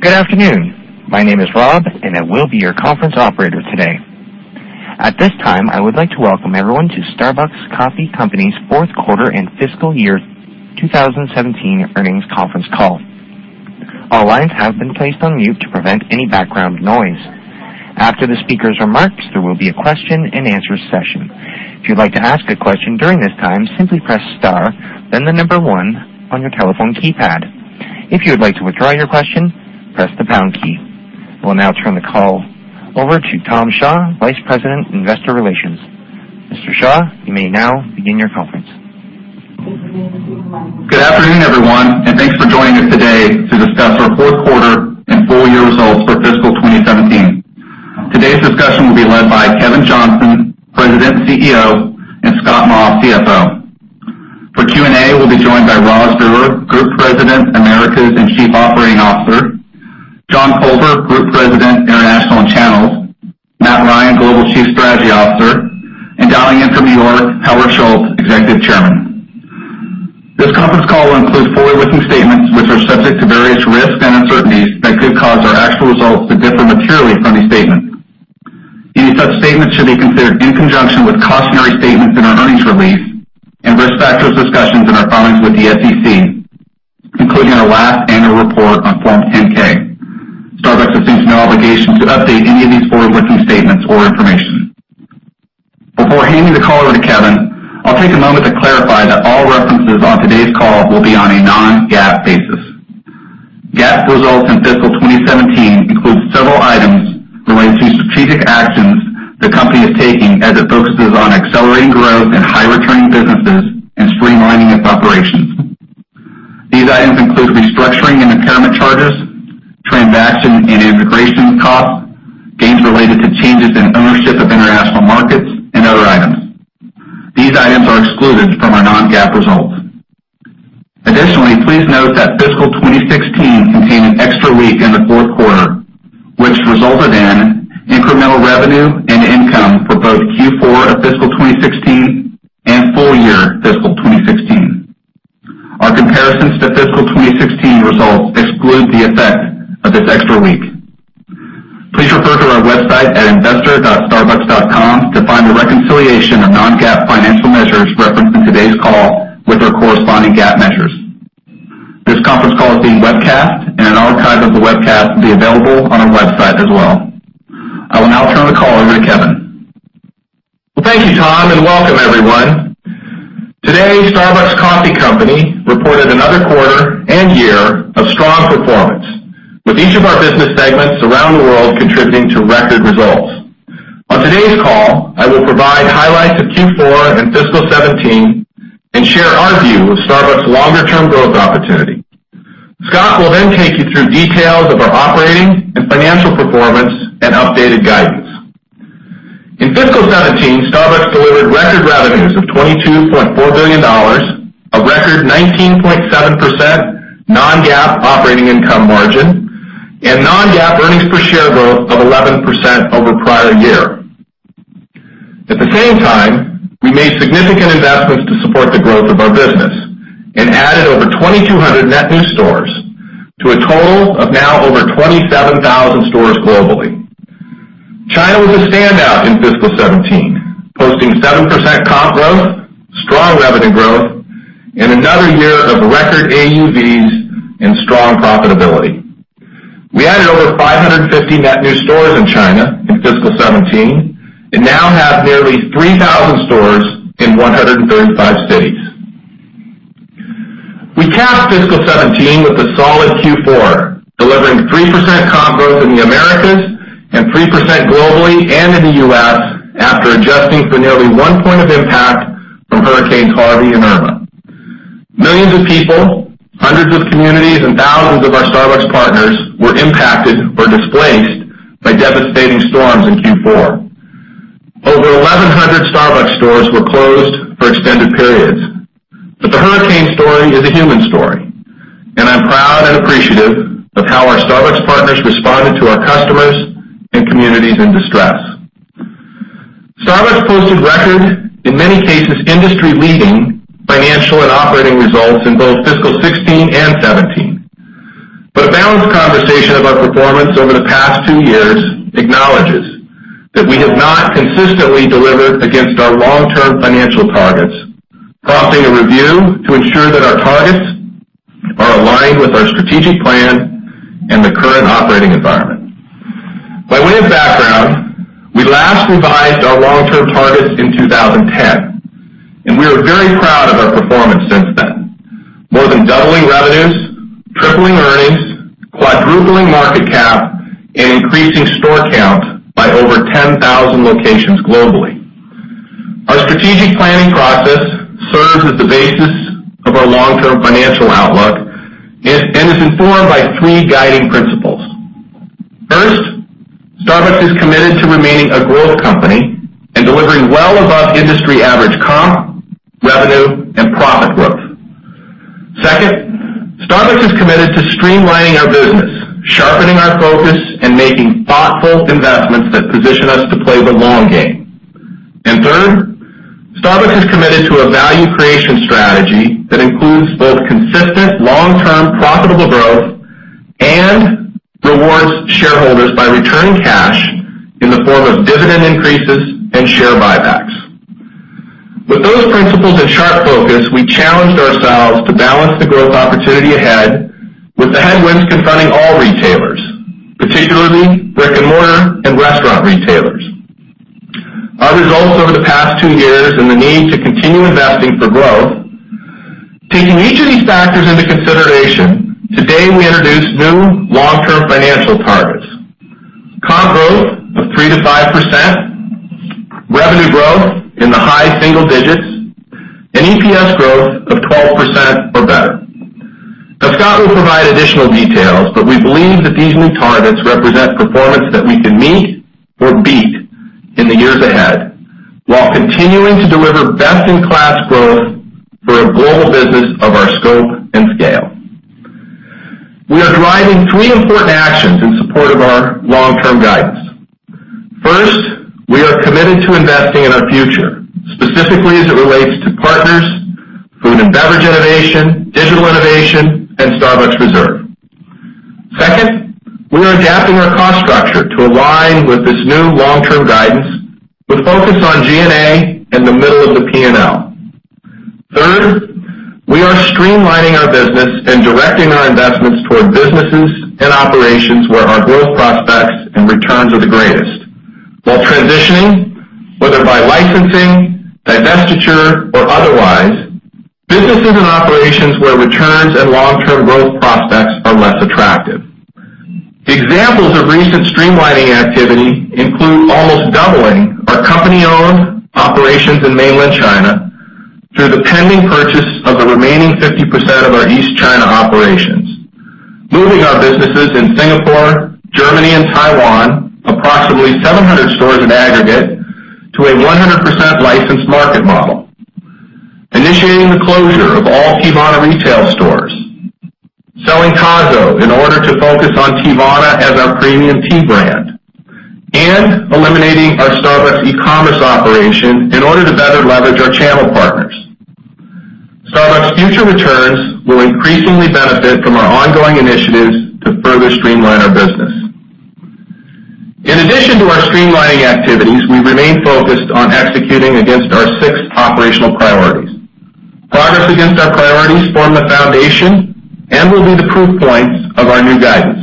Good afternoon. My name is Rob, I will be your conference operator today. At this time, I would like to welcome everyone to Starbucks Coffee Company's fourth quarter and fiscal year 2017 earnings conference call. All lines have been placed on mute to prevent any background noise. After the speakers' remarks, there will be a question-and-answer session. If you'd like to ask a question during this time, simply press star, then 1 on your telephone keypad. If you would like to withdraw your question, press the pound key. We'll now turn the call over to Tom Shaw, Vice President, Investor Relations. Mr. Shaw, you may now begin your conference. Good afternoon, everyone, thanks for joining us today to discuss our fourth quarter and full-year results for fiscal 2017. Today's discussion will be led by Kevin Johnson, President and CEO, and Scott Maw, CFO. For Q&A, we'll be joined by Rosalind Brewer, Group President, Americas and Chief Operating Officer; John Culver, Group President, International and Channels; Matthew Ryan, Global Chief Strategy Officer; and dialing in from New York, Howard Schultz, Executive Chairman. This conference call includes forward-looking statements which are subject to various risks and uncertainties that could cause our actual results to differ materially from these statements. Any such statements should be considered in conjunction with cautionary statements in our earnings release and risk factors discussions in our filings with the SEC, including our last annual report on Form 10-K. Starbucks assumes no obligation to update any of these forward-looking statements or information. Before handing the call over to Kevin, I'll take a moment to clarify that all references on today's call will be on a non-GAAP basis. GAAP results in fiscal 2017 include several items relating to strategic actions the company is taking as it focuses on accelerating growth in high-returning businesses and streamlining its operations. These items include restructuring and impairment charges, transaction and integration costs, gains related to changes in ownership of international markets, and other items. These items are excluded from our non-GAAP results. Additionally, please note that fiscal 2016 contained an extra week in the fourth quarter, which resulted in incremental revenue and income for both Q4 of fiscal 2016 and full year fiscal 2016. Our comparisons to fiscal 2016 results exclude the effect of this extra week. Please refer to our website at investor.starbucks.com to find a reconciliation of non-GAAP financial measures referenced in today's call with their corresponding GAAP measures. This conference call is being webcast, an archive of the webcast will be available on our website as well. I will now turn the call over to Kevin. Thank you, Tom, and welcome everyone. Today, Starbucks Coffee Company reported another quarter and year of strong performance, with each of our business segments around the world contributing to record results. On today's call, I will provide highlights of Q4 and fiscal 2017 and share our view of Starbucks' longer-term growth opportunity. Scott will then take you through details of our operating and financial performance and updated guidance. In fiscal 2017, Starbucks delivered record revenues of $22.4 billion, a record 19.7% non-GAAP operating income margin, and non-GAAP earnings per share growth of 11% over prior year. At the same time, we made significant investments to support the growth of our business and added over 2,200 net new stores to a total of now over 27,000 stores globally. China was a standout in fiscal 2017, posting 7% comp growth, strong revenue growth, and another year of record AUVs and strong profitability. We added over 550 net new stores in China in fiscal 2017 and now have nearly 3,000 stores in 135 cities. We capped fiscal 2017 with a solid Q4, delivering 3% comp growth in the Americas and 3% globally and in the U.S. after adjusting for nearly one point of impact from Hurricanes Harvey and Irma. Millions of people, hundreds of communities, and thousands of our Starbucks partners were impacted or displaced by devastating storms in Q4. Over 1,100 Starbucks stores were closed for extended periods. The hurricane story is a human story, and I'm proud and appreciative of how our Starbucks partners responded to our customers and communities in distress. Starbucks posted record, in many cases, industry-leading financial and operating results in both fiscal 2016 and 2017. A balanced conversation of our performance over the past two years acknowledges that we have not consistently delivered against our long-term financial targets, prompting a review to ensure that our targets are aligned with our strategic plan and the current operating environment. By way of background, we last revised our long-term targets in 2010, and we are very proud of our performance since then, more than doubling revenues, tripling earnings, quadrupling market cap, and increasing store count by over 10,000 locations globally. Our strategic planning process serves as the basis of our long-term financial outlook and is informed by three guiding principles. Starbucks is committed to remaining a growth company and delivering well above industry average comp, revenue, and profit growth. Starbucks is committed to streamlining our business, sharpening our focus, and making thoughtful investments that position us to play the long game. Starbucks is committed to a value creation strategy that includes both consistent long-term profitable growth and rewards shareholders by returning cash in the form of dividend increases and share buybacks. With those principles in sharp focus, we challenged ourselves to balance the growth opportunity ahead with the headwinds confronting all retailers, particularly brick-and-mortar and restaurant retailers. Our results over the past two years and the need to continue investing for growth. Taking each of these factors into consideration, today we introduce new long-term financial targets. Comp growth of 3%-5%, revenue growth in the high single digits, and EPS growth of 12% or better. Now, Scott will provide additional details, but we believe that these new targets represent performance that we can meet or beat in the years ahead while continuing to deliver best-in-class growth for a global business of our scope and scale. We are driving three important actions in support of our long-term guidance. First, we are committed to investing in our future, specifically as it relates to partners, food and beverage innovation, digital innovation, and Starbucks Reserve. Second, we are adapting our cost structure to align with this new long-term guidance with focus on G&A the middle of the P&L. Third, we are streamlining our business and directing our investments toward businesses and operations where our growth prospects and returns are the greatest, while transitioning, whether by licensing, divestiture, or otherwise, businesses and operations where returns and long-term growth prospects are less attractive. Examples of recent streamlining activity include almost doubling our company-owned operations in mainland China through the pending purchase of the remaining 50% of our East China operations, moving our businesses in Singapore, Germany, and Taiwan, approximately 700 stores in aggregate, to a 100% licensed market model, initiating the closure of all Teavana retail stores, selling Tazo in order to focus on Teavana as our premium tea brand, and eliminating our Starbucks e-commerce operation in order to better leverage our channel partners. Starbucks' future returns will increasingly benefit from our ongoing initiatives to further streamline our business. In addition to our streamlining activities, we remain focused on executing against our six operational priorities. Progress against our priorities form the foundation and will be the proof points of our new guidance.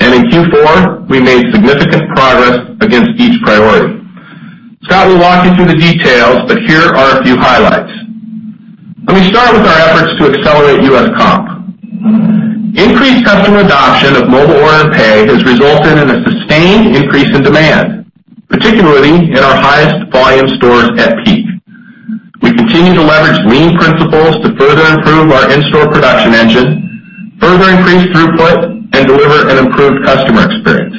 In Q4, we made significant progress against each priority. Scott will walk you through the details, but here are a few highlights. Let me start with our efforts to accelerate U.S. comp. Increased customer adoption of Mobile Order & Pay has resulted in a sustained increase in demand, particularly in our highest volume stores at peak. We continue to leverage lean principles to further improve our in-store production engine, further increase throughput, and deliver an improved customer experience.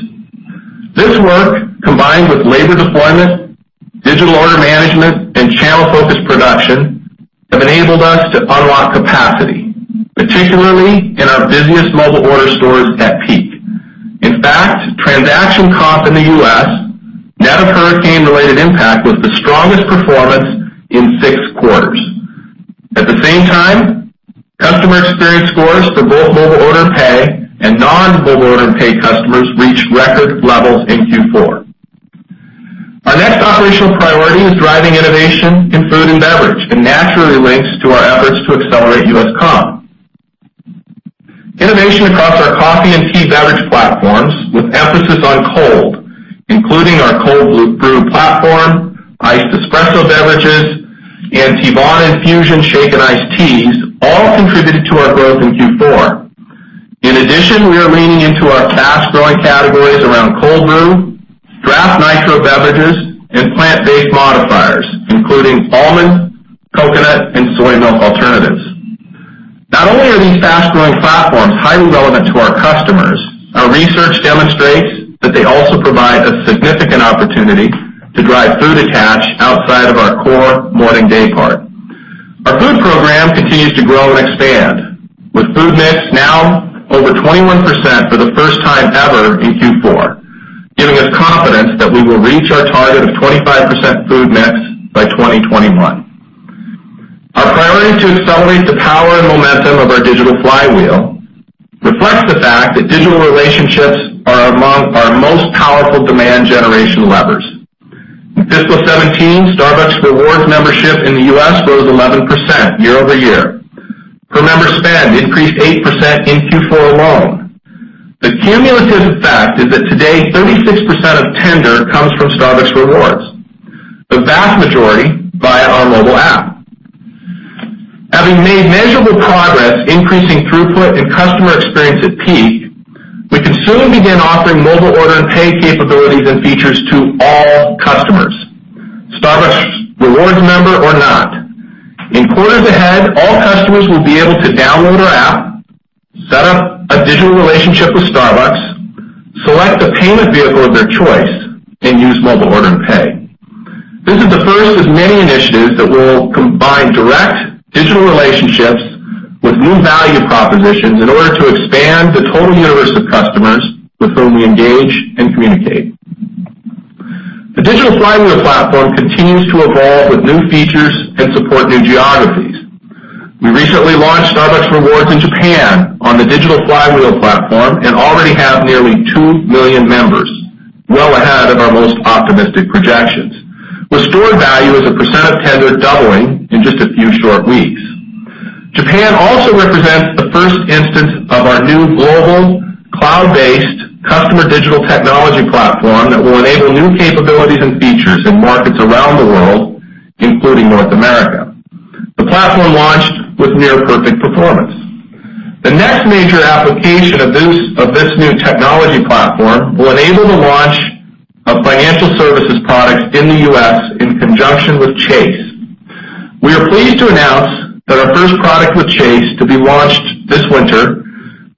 This work, combined with labor deployment, digital order management, and channel-focused production, have enabled us to unlock capacity, particularly in our busiest mobile order stores at peak. In fact, transaction comp in the U.S., net of hurricane-related impact, was the strongest performance in six quarters. At the same time, customer experience scores for both Mobile Order & Pay and non-Mobile Order & Pay customers reached record levels in Q4. Our next operational priority is driving innovation in food and beverage, naturally links to our efforts to accelerate U.S. comp. Innovation across our coffee and tea beverage platforms, with emphasis on cold, including our cold brew platform, iced espresso beverages, and Teavana Shaken Iced Tea Infusions, all contributed to our growth in Q4. In addition, we are leaning into our fast-growing categories around cold brew, Nitro Cold Brew, and plant-based modifiers, including almond, coconut, and soy milk alternatives. Not only are these fast-growing platforms highly relevant to our customers, our research demonstrates that they also provide a significant opportunity to drive food attach outside of our core morning daypart. Our food program continues to grow and expand, with food mix now over 21% for the first time ever in Q4, giving us confidence that we will reach our target of 25% food mix by 2021. Our priority to accelerate the power and momentum of our digital flywheel reflects the fact that digital relationships are among our most powerful demand generation levers. In fiscal 2017, Starbucks Rewards membership in the U.S. rose 11% year-over-year. Per member spend increased 8% in Q4 alone. The cumulative fact is that today 36% of tender comes from Starbucks Rewards, the vast majority via our mobile app. Having made measurable progress increasing throughput and customer experience at peak, we can soon begin offering Mobile Order & Pay capabilities and features to all customers, Starbucks Rewards member or not. In quarters ahead, all customers will be able to download our app, set up a digital relationship with Starbucks, select the payment vehicle of their choice, and use Mobile Order & Pay. This is the first of many initiatives that will combine direct digital relationships with new value propositions in order to expand the total universe of customers with whom we engage and communicate. The digital flywheel platform continues to evolve with new features and support new geographies. We recently launched Starbucks Rewards in Japan on the digital flywheel platform and already have nearly 2 million members, well ahead of our most optimistic projections. Stored value as a percent of tender doubling in just a few short weeks. Japan also represents the first instance of our new global, cloud-based customer digital technology platform that will enable new capabilities and features in markets around the world, including North America. The platform launched with near-perfect performance. The next major application of this new technology platform will enable the launch of financial services products in the U.S. in conjunction with Chase. We are pleased to announce that our first product with Chase to be launched this winter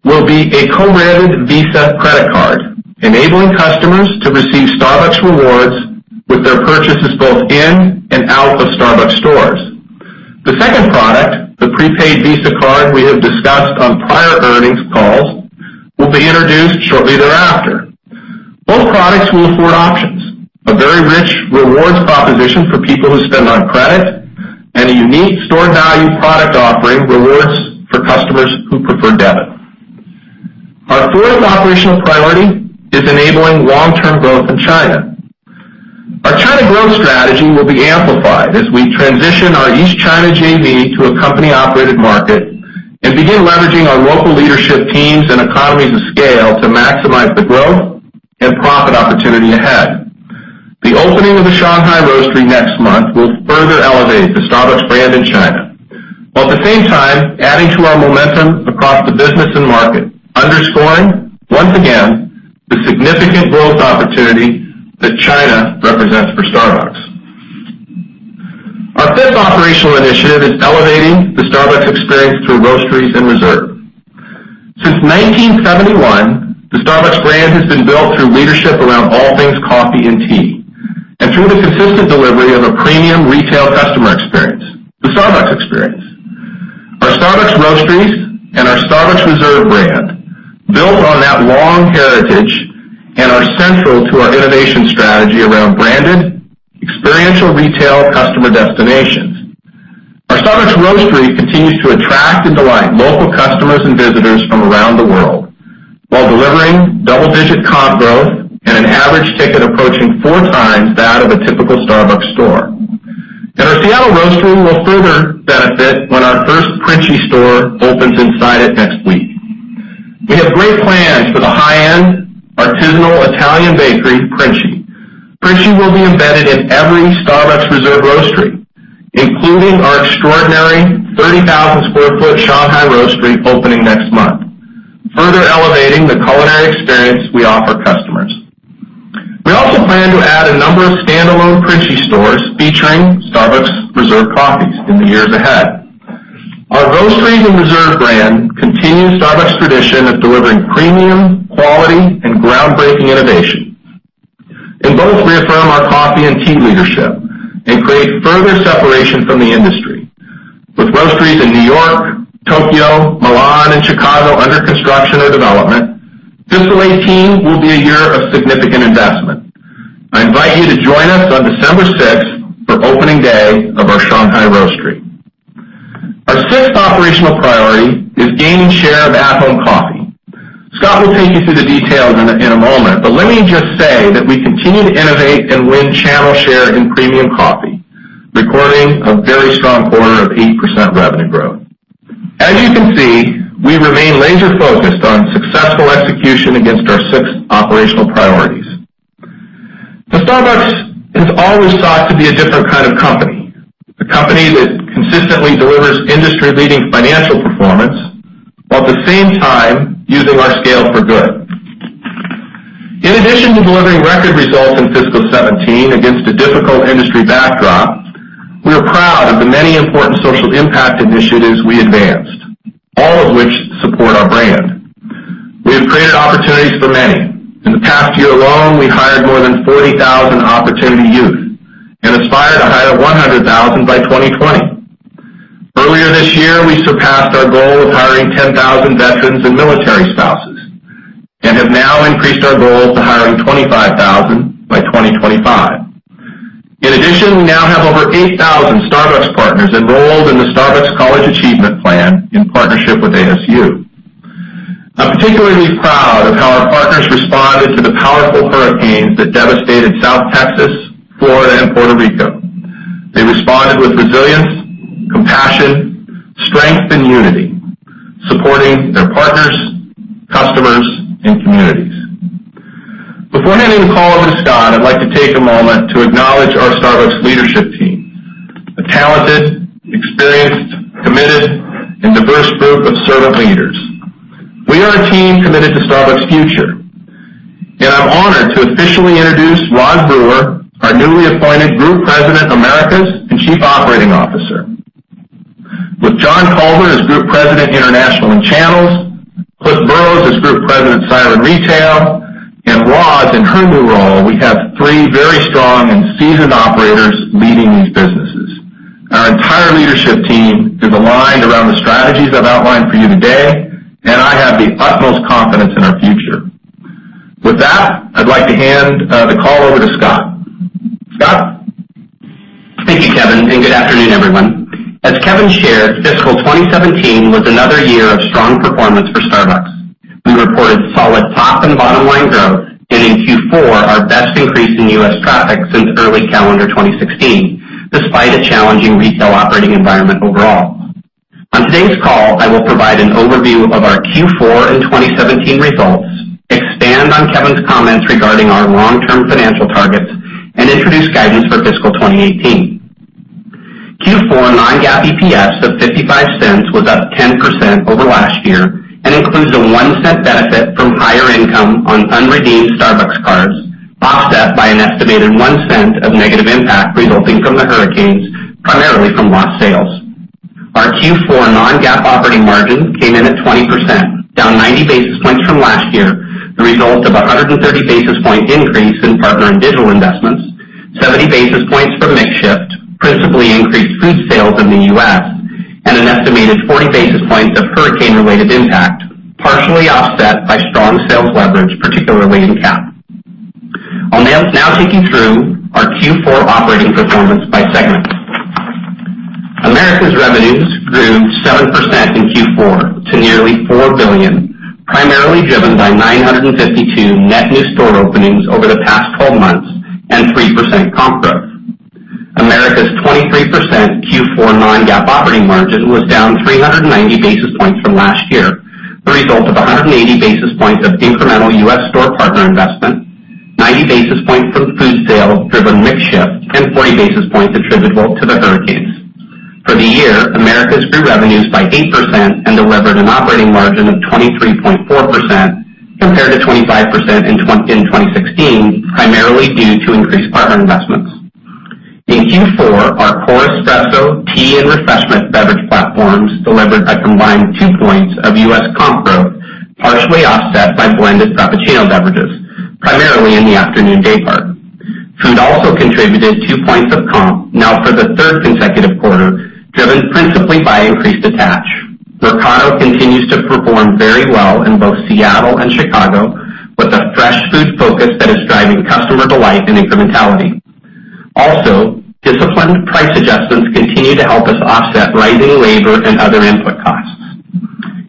will be a co-branded Visa credit card, enabling customers to receive Starbucks Rewards with their purchases both in and out of Starbucks stores. The second product, the prepaid Visa card we have discussed on prior earnings calls, will be introduced shortly thereafter. Both products will afford options, a very rich rewards proposition for people who spend on credit, and a unique store value product offering rewards for customers who prefer debit. Our fourth operational priority is enabling long-term growth in China. Our China growth strategy will be amplified as we transition our East China JV to a company-operated market and begin leveraging our local leadership teams and economies of scale to maximize the growth and profit opportunity ahead. The opening of the Shanghai Roastery next month will further elevate the Starbucks brand in China, while at the same time adding to our momentum across the business and market, underscoring, once again, the significant growth opportunity that China represents for Starbucks. Our fifth operational initiative is elevating the Starbucks experience through Roasteries and Reserve. Since 1971, the Starbucks brand has been built through leadership around all things coffee and tea, and through the consistent delivery of a premium retail customer experience, the Starbucks experience. Our Starbucks Roasteries and our Starbucks Reserve brand build on that long heritage and are central to our innovation strategy around branded experiential retail customer destinations. Our Starbucks Roastery continues to attract and delight local customers and visitors from around the world while delivering double-digit comp growth and an average ticket approaching 4 times that of a typical Starbucks store. Our Seattle Roastery will further benefit when our first Princi store opens inside it next week. We have great plans for the high-end artisanal Italian bakery, Princi. Princi will be embedded in every Starbucks Reserve Roastery, including our extraordinary 30,000 sq ft Shanghai Roastery opening next month, further elevating the culinary experience we offer customers. We also plan to add a number of standalone Princi stores featuring Starbucks Reserve coffees in the years ahead. Our Roasteries and Reserve brand continue Starbucks tradition of delivering premium quality and groundbreaking innovation. Both reaffirm our coffee and tea leadership and create further separation from the industry. With Roasteries in New York, Tokyo, Milan, and Chicago under construction or development, fiscal 2018 will be a year of significant investment. I invite you to join us on December 6th for opening day of our Shanghai Roastery. Our sixth operational priority is gaining share of at-home coffee. Scott will take you through the details in a moment. Let me just say that we continue to innovate and win channel share in premium coffee, recording a very strong quarter of 8% revenue growth. As you can see, we remain laser-focused on successful execution against our six operational priorities. Starbucks is always thought to be a different kind of company, a company that consistently delivers industry-leading financial performance, while at the same time using our scale for good. In addition to delivering record results in fiscal 2017 against a difficult industry backdrop, we are proud of the many important social impact initiatives we advanced, all of which support our brand. We have created opportunities for many. In the past year alone, we hired more than 40,000 opportunity youth and aspire to hire 100,000 by 2020. Earlier this year, we surpassed our goal of hiring 10,000 veterans and military spouses and have now increased our goal to hiring 25,000 by 2025. In addition, we now have over 8,000 Starbucks partners enrolled in the Starbucks College Achievement Plan in partnership with ASU. I'm particularly proud of how our partners responded to the powerful hurricanes that devastated South Texas, Florida, and Puerto Rico. They responded with resilience, compassion, strength, and unity, supporting their partners, customers, and communities. Before handing the call over to Scott, I'd like to take a moment to acknowledge our Starbucks leadership team, a talented, experienced, committed, and diverse group of servant leaders. We are a team committed to Starbucks' future. I'm honored to officially introduce Roz Brewer, our newly appointed Group President, Americas and Chief Operating Officer. With John Culver as Group President, International and Channels, Cliff Burrows as Group President, Siren Retail, and Roz in her new role, we have three very strong and seasoned operators leading these businesses. Our entire leadership team is aligned around the strategies I've outlined for you today. I have the utmost confidence in our future. With that, I'd like to hand the call over to Scott. Scott? Thank you, Kevin, and good afternoon, everyone. As Kevin shared, fiscal 2017 was another year of strong performance for Starbucks. We reported solid top and bottom-line growth, and in Q4, our best increase in U.S. traffic since early calendar 2016, despite a challenging retail operating environment overall. On today's call, I will provide an overview of our Q4 and 2017 results, expand on Kevin's comments regarding our long-term financial targets, and introduce guidance for fiscal 2018. Q4 non-GAAP EPS of $0.55 was up 10% over last year and includes a $0.01 benefit from higher income on unredeemed Starbucks Cards, offset by an estimated $0.01 of negative impact resulting from the hurricanes, primarily from lost sales. Our Q4 non-GAAP operating margin came in at 20%, down 90 basis points from last year, the result of 130 basis point increase in partner and digital investments, 70 basis points from mix shift, principally increased food sales in the U.S., and an estimated 40 basis points of hurricane-related impact, partially offset by strong sales leverage, particularly in CAP. I will now take you through our Q4 operating performance by segment. Americas revenues grew 7% in Q4 to nearly $4 billion, primarily driven by 952 net new store openings over the past 12 months and 3% comp growth. Americas 23% Q4 non-GAAP operating margin was down 390 basis points from last year, the result of 180 basis points of incremental U.S. store partner investment, 90 basis points from food sales-driven mix shift, and 40 basis points attributable to the hurricanes. For the year, Americas grew revenues by 8% and delivered an operating margin of 23.4% compared to 25% in 2016, primarily due to increased partner investments. In Q4, our core espresso, tea, and refreshment beverage platforms delivered a combined 2 points of U.S. comp growth, partially offset by blended Frappuccino beverages, primarily in the afternoon daypart. Food also contributed 2 points of comp, now for the third consecutive quarter, driven principally by increased attach. Mercato continues to perform very well in both Seattle and Chicago, with a fresh food focus that is driving customer delight and incrementality. Disciplined price adjustments continue to help us offset rising labor and other input costs.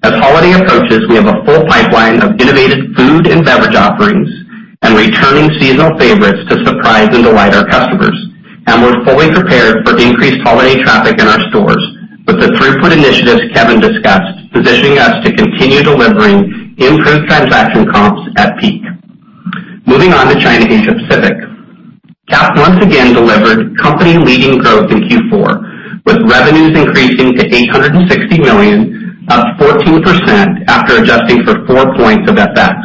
As holiday approaches, we have a full pipeline of innovative food and beverage offerings and returning seasonal favorites to surprise and delight our customers. We are fully prepared for the increased holiday traffic in our stores, with the throughput initiatives Kevin discussed positioning us to continue delivering improved transaction comps at peak. Moving on to China Asia Pacific. CAP once again delivered company-leading growth in Q4, with revenues increasing to $860 million, up 14% after adjusting for 4 points of FX.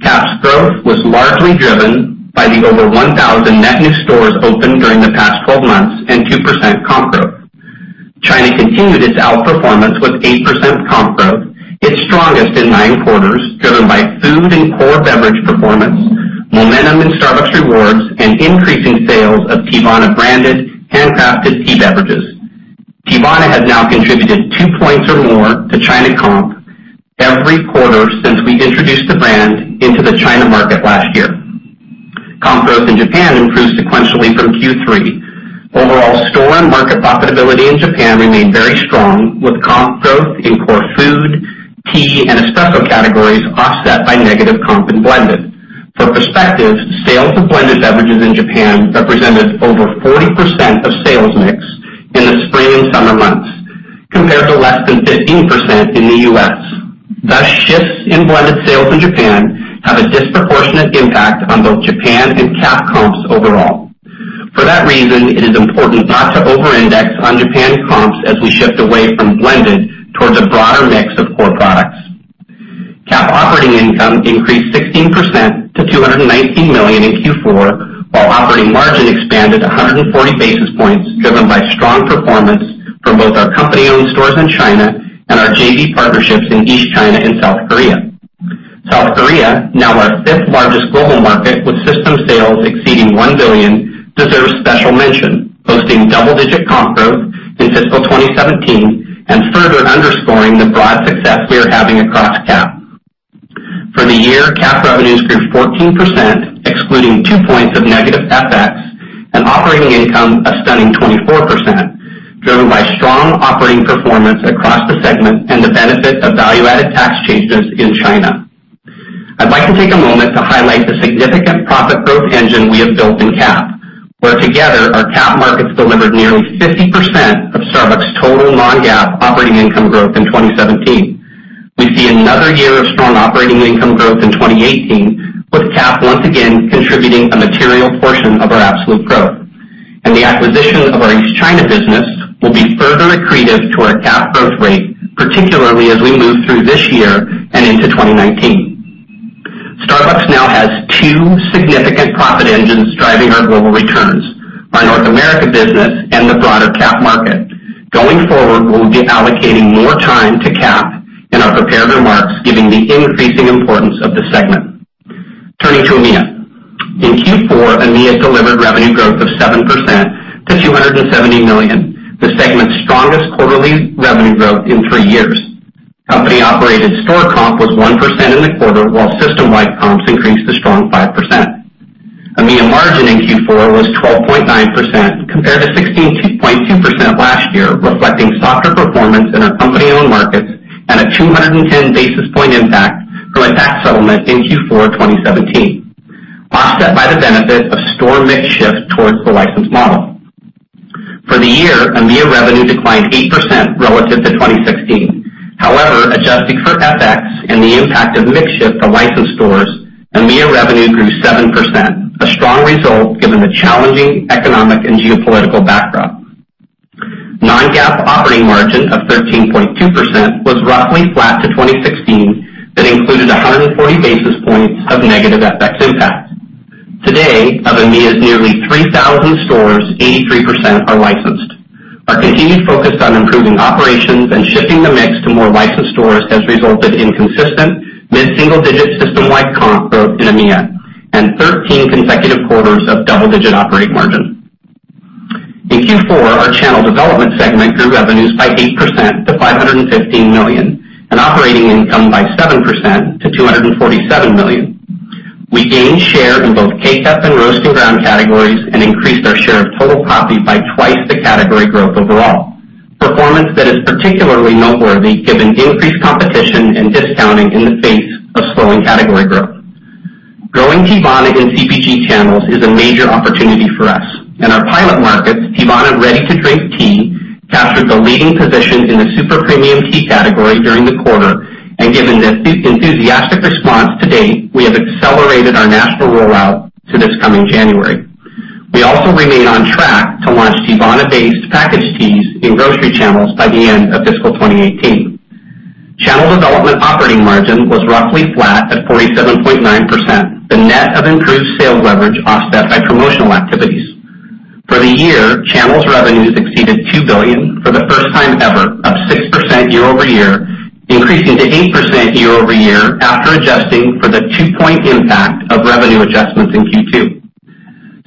CAP's growth was largely driven by the over 1,000 net new stores opened during the past 12 months and 2% comp growth. China continued its outperformance with 8% comp growth, its strongest in 9 quarters, driven by food and core beverage performance, momentum in Starbucks Rewards, and increasing sales of Teavana branded handcrafted tea beverages. Teavana has now contributed 2 points or more to China comp every quarter since we introduced the brand into the China market last year. Comp growth in Japan improved sequentially from Q3. Overall store and market profitability in Japan remained very strong, with comp growth in core food, tea, and espresso categories offset by negative comp in blended. For perspective, sales of blended beverages in Japan represented over 40% of sales mix in the spring and summer months, compared to less than 15% in the U.S. Thus, shifts in blended sales in Japan have a disproportionate impact on both Japan and CAP comps overall. For that reason, it is important not to over-index on Japan comps as we shift away from blended towards a broader mix of core products. CAP operating income increased 16% to $219 million in Q4, while operating margin expanded 140 basis points, driven by strong performance from both our company-owned stores in China and our JV partnerships in East China and South Korea. South Korea, now our fifth-largest global market with system sales exceeding $1 billion, deserves special mention, posting double-digit comp growth in fiscal 2017 and further underscoring the broad success we are having across CAP. For the year, CAP revenues grew 14%, excluding two points of negative FX, and operating income a stunning 24%, driven by strong operating performance across the segment and the benefit of value-added tax changes in China. I'd like to take a moment to highlight the significant profit growth engine we have built in CAP, where together, our CAP markets delivered nearly 50% of Starbucks' total non-GAAP operating income growth in 2017. We see another year of strong operating income growth in 2018, with CAP once again contributing a material portion of our absolute growth. The acquisition of our East China business will be further accretive to our CAP growth rate, particularly as we move through this year and into 2019. Starbucks now has two significant profit engines driving our global returns, our North America business and the broader CAP market. Going forward, we will be allocating more time to CAP in our prepared remarks, giving the increasing importance of the segment. Turning to EMEA. In Q4, EMEA delivered revenue growth of 7% to $270 million, the segment's strongest quarterly revenue growth in three years. Company-operated store comp was 1% in the quarter, while system-wide comps increased a strong 5%. EMEA margin in Q4 was 12.9%, compared to 16.2% last year, reflecting softer performance in our company-owned markets and a 210 basis point impact from a tax settlement in Q4 2017, offset by the benefit of store mix shift towards the licensed model. For the year, EMEA revenue declined 8% relative to 2016. However, adjusting for FX and the impact of mix shift to licensed stores, EMEA revenue grew 7%, a strong result given the challenging economic and geopolitical backdrop. Non-GAAP operating margin of 13.2% was roughly flat to 2016. That included 140 basis points of negative FX impact. Today, of EMEA's nearly 3,000 stores, 83% are licensed. Our continued focus on improving operations and shifting the mix to more licensed stores has resulted in consistent mid-single-digit systemwide comp growth in EMEA and 13 consecutive quarters of double-digit operating margin. In Q4, our channel development segment grew revenues by 8% to $515 million and operating income by 7% to $247 million. We gained share in both K-Cup and roasted ground categories and increased our share of total coffee by twice the category growth overall. Performance that is particularly noteworthy given increased competition and discounting in the face of slowing category growth. Growing Teavana in CPG channels is a major opportunity for us. In our pilot markets, Teavana ready-to-drink tea captured the leading position in the super-premium tea category during the quarter. Given the enthusiastic response to date, we have accelerated our national rollout to this coming January. We also remain on track to launch Teavana-based packaged teas in grocery channels by the end of fiscal 2018. Channel development operating margin was roughly flat at 47.9%, the net of improved sales leverage offset by promotional activities. For the year, channels revenues exceeded $2 billion for the first time ever, up 6% year-over-year, increasing to 8% year-over-year after adjusting for the 2-point impact of revenue adjustments in Q2.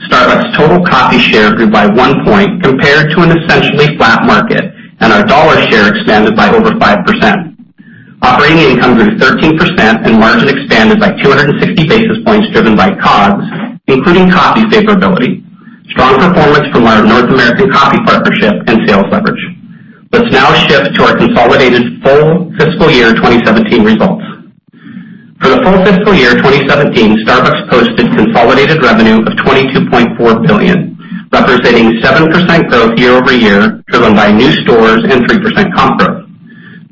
Starbucks' total coffee share grew by 1 point compared to an essentially flat market, and our dollar share expanded by over 5%. Operating income grew 13% and margin expanded by 260 basis points, driven by COGS, including coffee favorability, strong performance from our North American Coffee Partnership, and sales leverage. Let's now shift to our consolidated full fiscal year 2017 results. For the full fiscal year 2017, Starbucks posted consolidated revenue of $22.4 billion, representing 7% growth year-over-year, driven by new stores and 3% comp growth.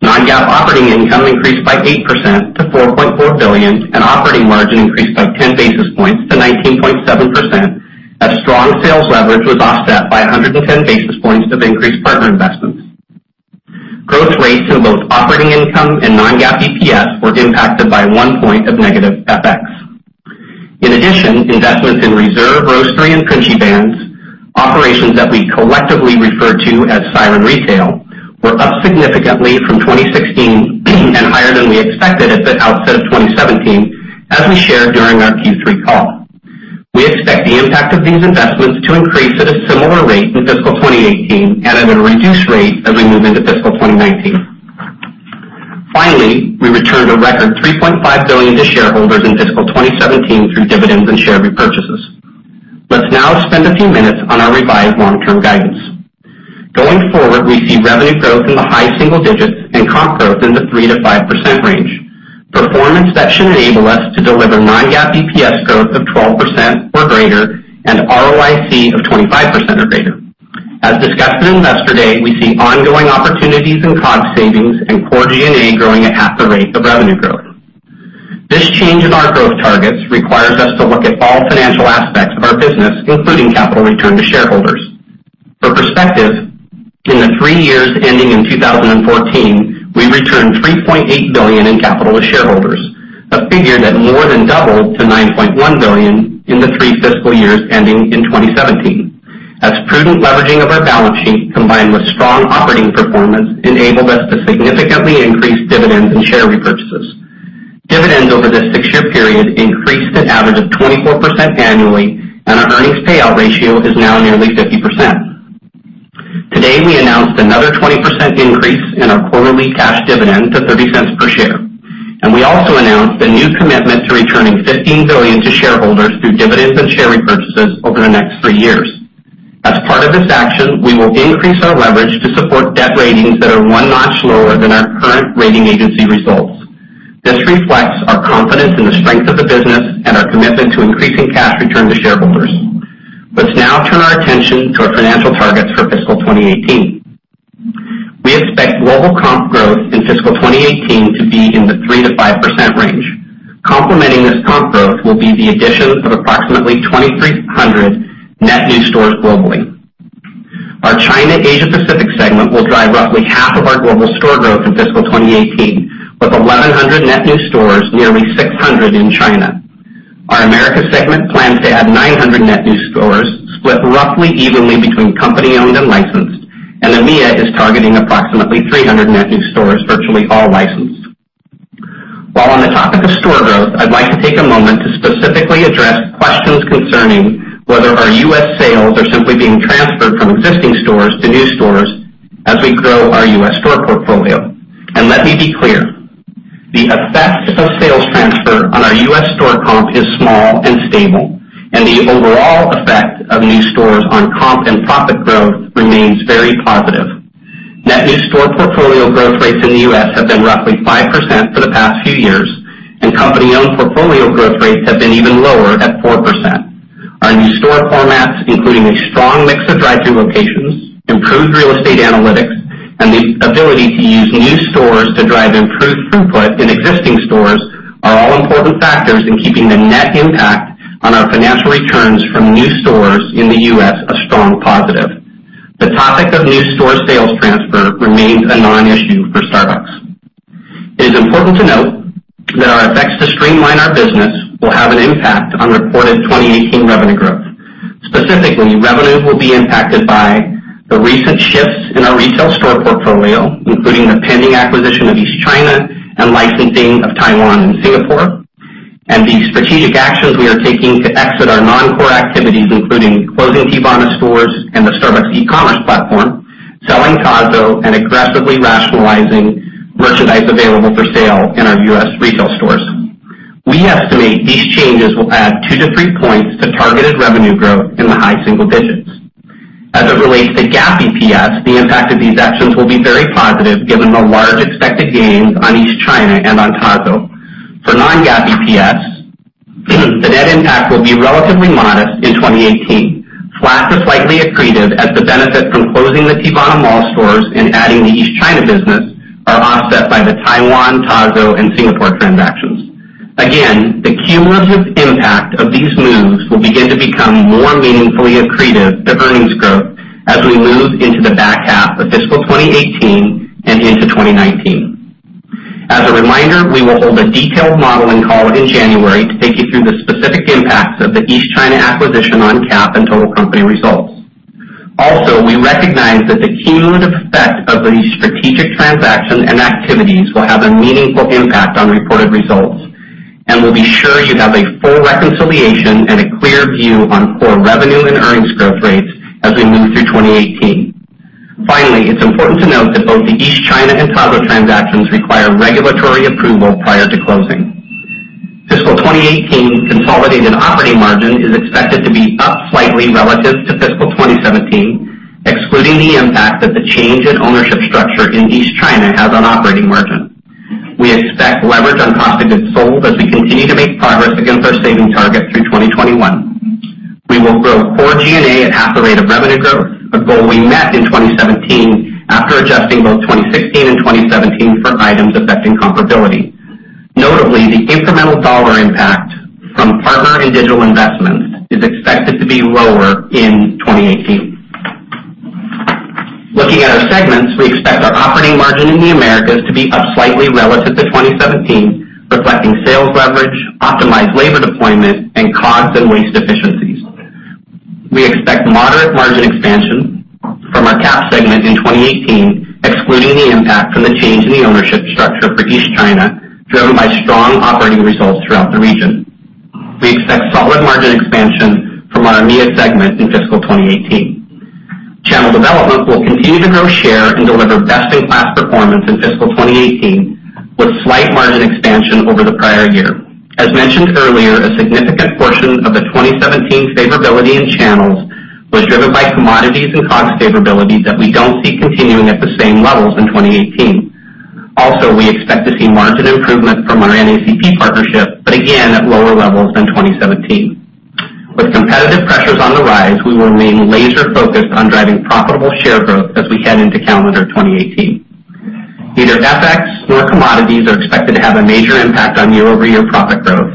Non-GAAP operating income increased by 8% to $4.4 billion, and operating margin increased by 10 basis points to 19.7% as strong sales leverage was offset by 110 basis points of increased partner investments. Growth rates in both operating income and non-GAAP EPS were impacted by 1 point of negative FX. In addition, investments in Starbucks Reserve Roastery and Princi brands, operations that we collectively refer to as Siren Retail, were up significantly from 2016 and higher than we expected at the outset of 2017, as we shared during our Q3 call. We expect the impact of these investments to increase at a similar rate in fiscal 2018 and at a reduced rate as we move into fiscal 2019. Finally, we returned a record $3.5 billion to shareholders in fiscal 2017 through dividends and share repurchases. Let's now spend a few minutes on our revised long-term guidance. Going forward, we see revenue growth in the high single digits and comp growth in the 3%-5% range. Performance that should enable us to deliver non-GAAP EPS growth of 12% or greater and ROIC of 25% or greater. As discussed in Investor Day, we see ongoing opportunities in COGS savings and core G&A growing at half the rate of revenue growth. This change in our growth targets requires us to look at all financial aspects of our business, including capital return to shareholders. For perspective, in the three years ending in 2014, we returned $3.8 billion in capital to shareholders, a figure that more than doubled to $9.1 billion in the three fiscal years ending in 2017 as prudent leveraging of our balance sheet, combined with strong operating performance, enabled us to significantly increase dividends and share repurchases. Dividends over this six-year period increased an average of 24% annually, and our earnings payout ratio is now nearly 50%. Today, we announced another 20% increase in our quarterly cash dividend to $0.30 per share. We also announced a new commitment to returning $15 billion to shareholders through dividends and share repurchases over the next 3 years. As part of this action, we will increase our leverage to support debt ratings that are one notch lower than our current rating agency results. This reflects our confidence in the strength of the business and our commitment to increasing cash return to shareholders. Let's now turn our attention to our financial targets for FY 2018. We expect global comp growth in FY 2018 to be in the 3%-5% range. Complementing this comp growth will be the addition of approximately 2,300 net new stores globally. Our China Asia Pacific segment will drive roughly half of our global store growth in FY 2018, with 1,100 net new stores, nearly 600 in China. Our Americas segment plans to add 900 net new stores, split roughly evenly between company-owned and licensed. EMEA is targeting approximately 300 net new stores, virtually all licensed. While on the topic of store growth, I'd like to take a moment to specifically address questions concerning whether our U.S. sales are simply being transferred from existing stores to new stores as we grow our U.S. store portfolio. Let me be clear, the effect of sales transfer on our U.S. store comp is small and stable, and the overall effect of new stores on comp and profit growth remains very positive. Net new store portfolio growth rates in the U.S. have been roughly 5% for the past few years, and company-owned portfolio growth rates have been even lower at 4%. Our new store formats, including a strong mix of drive-thru locations, improved real estate analytics, and the ability to use new stores to drive improved throughput in existing stores are all important factors in keeping the net impact on our financial returns from new stores in the U.S. a strong positive. The topic of new store sales transfer remains a non-issue for Starbucks. It is important to note that our efforts to streamline our business will have an impact on reported 2018 revenue growth. Specifically, revenue will be impacted by the recent shifts in our retail store portfolio, including the pending acquisition of East China and licensing of Taiwan and Singapore, and the strategic actions we are taking to exit our non-core activities, including closing Teavana stores and the Starbucks e-commerce platform, selling Tazo, and aggressively rationalizing merchandise available for sale in our U.S. retail stores. We estimate these changes will add 2-3 points to targeted revenue growth in the high single digits. As it relates to GAAP EPS, the impact of these actions will be very positive given the large expected gains on East China and on Tazo. For non-GAAP EPS, the net impact will be relatively modest in 2018, flat to slightly accretive as the benefit from closing the Teavana mall stores and adding the East China business are offset by the Taiwan, Tazo, and Singapore transactions. The cumulative impact of these moves will begin to become more meaningfully accretive to earnings growth as we move into the back half of fiscal 2018 and into 2019. As a reminder, we will hold a detailed modeling call in January to take you through the specific impacts of the East China acquisition on CAP and total company results. We recognize that the cumulative effect of these strategic transactions and activities will have a meaningful impact on reported results, and we'll be sure you have a full reconciliation and a clear view on core revenue and earnings growth rates as we move through 2018. It's important to note that both the East China and Tazo transactions require regulatory approval prior to closing. Fiscal 2018 consolidated operating margin is expected to be up slightly relative to fiscal 2017, excluding the impact that the change in ownership structure in East China has on operating margin. We expect leverage on coffee goods sold as we continue to make progress against our savings target through 2021. We will grow core G&A at half the rate of revenue growth, a goal we met in 2017 after adjusting both 2016 and 2017 for items affecting comparability. The incremental dollar impact from partner and digital investments is expected to be lower in 2018. We expect our operating margin in the Americas to be up slightly relative to 2017, reflecting sales leverage, optimized labor deployment, and cost and waste efficiencies. We expect moderate margin expansion from our CAP segment in 2018, excluding the impact from the change in the ownership structure for East China, driven by strong operating results throughout the region. We expect solid margin expansion from our EMEA segment in fiscal 2018. Channel development will continue to grow share and deliver best-in-class performance in fiscal 2018, with slight margin expansion over the prior year. As mentioned earlier, a significant portion of the 2017 favorability in channels was driven by commodities and cost favorabilities that we don't see continuing at the same levels in 2018. We expect to see margin improvement from our NACP partnership, but again, at lower levels than 2017. With competitive pressures on the rise, we will remain laser-focused on driving profitable share growth as we head into calendar 2018. Neither FX nor commodities are expected to have a major impact on year-over-year profit growth,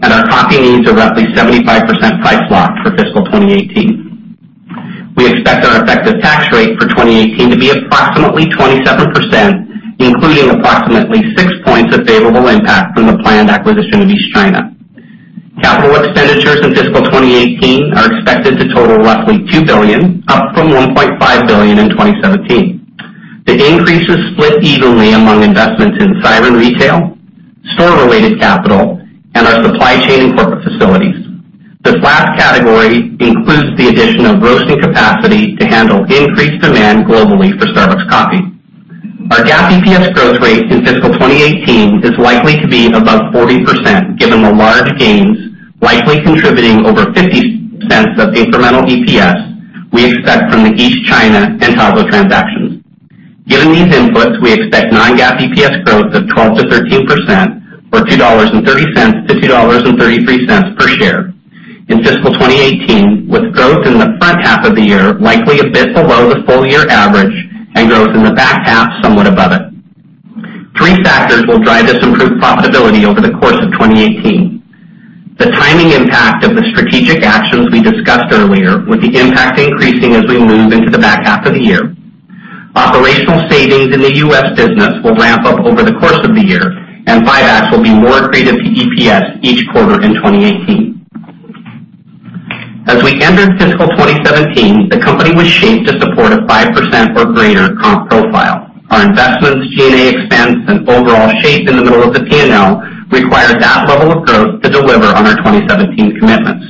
and our coffee needs are roughly 75% price locked for fiscal 2018. We expect our effective tax rate for 2018 to be approximately 27%, including approximately six points of favorable impact from the planned acquisition of East China. Capital expenditures in fiscal 2018 are expected to total roughly $2 billion, up from $1.5 billion in 2017. The increase was split evenly among investments in Siren Retail, store-related capital, and our supply chain and corporate facilities. This last category includes the addition of roasting capacity to handle increased demand globally for Starbucks coffee. Our GAAP EPS growth rate in fiscal 2018 is likely to be above 40%, given the large gains likely contributing over $0.50 of incremental EPS we expect from the East China and Tazo transactions. Given these inputs, we expect non-GAAP EPS growth of 12%-13%, or $2.30-$2.33 per share. In fiscal 2018, with growth in the front half of the year likely a bit below the full-year average and growth in the back half somewhat above it. Three factors will drive this improved profitability over the course of 2018. The timing impact of the strategic actions we discussed earlier, with the impact increasing as we move into the back half of the year. Operational savings in the U.S. business will ramp up over the course of the year, and buybacks will be more accretive to EPS each quarter in 2018. As we entered fiscal 2017, the company was shaped to support a 5% or greater comp profile. Our investments, G&A expense, and overall shape in the middle of the P&L required that level of growth to deliver on our 2017 commitments.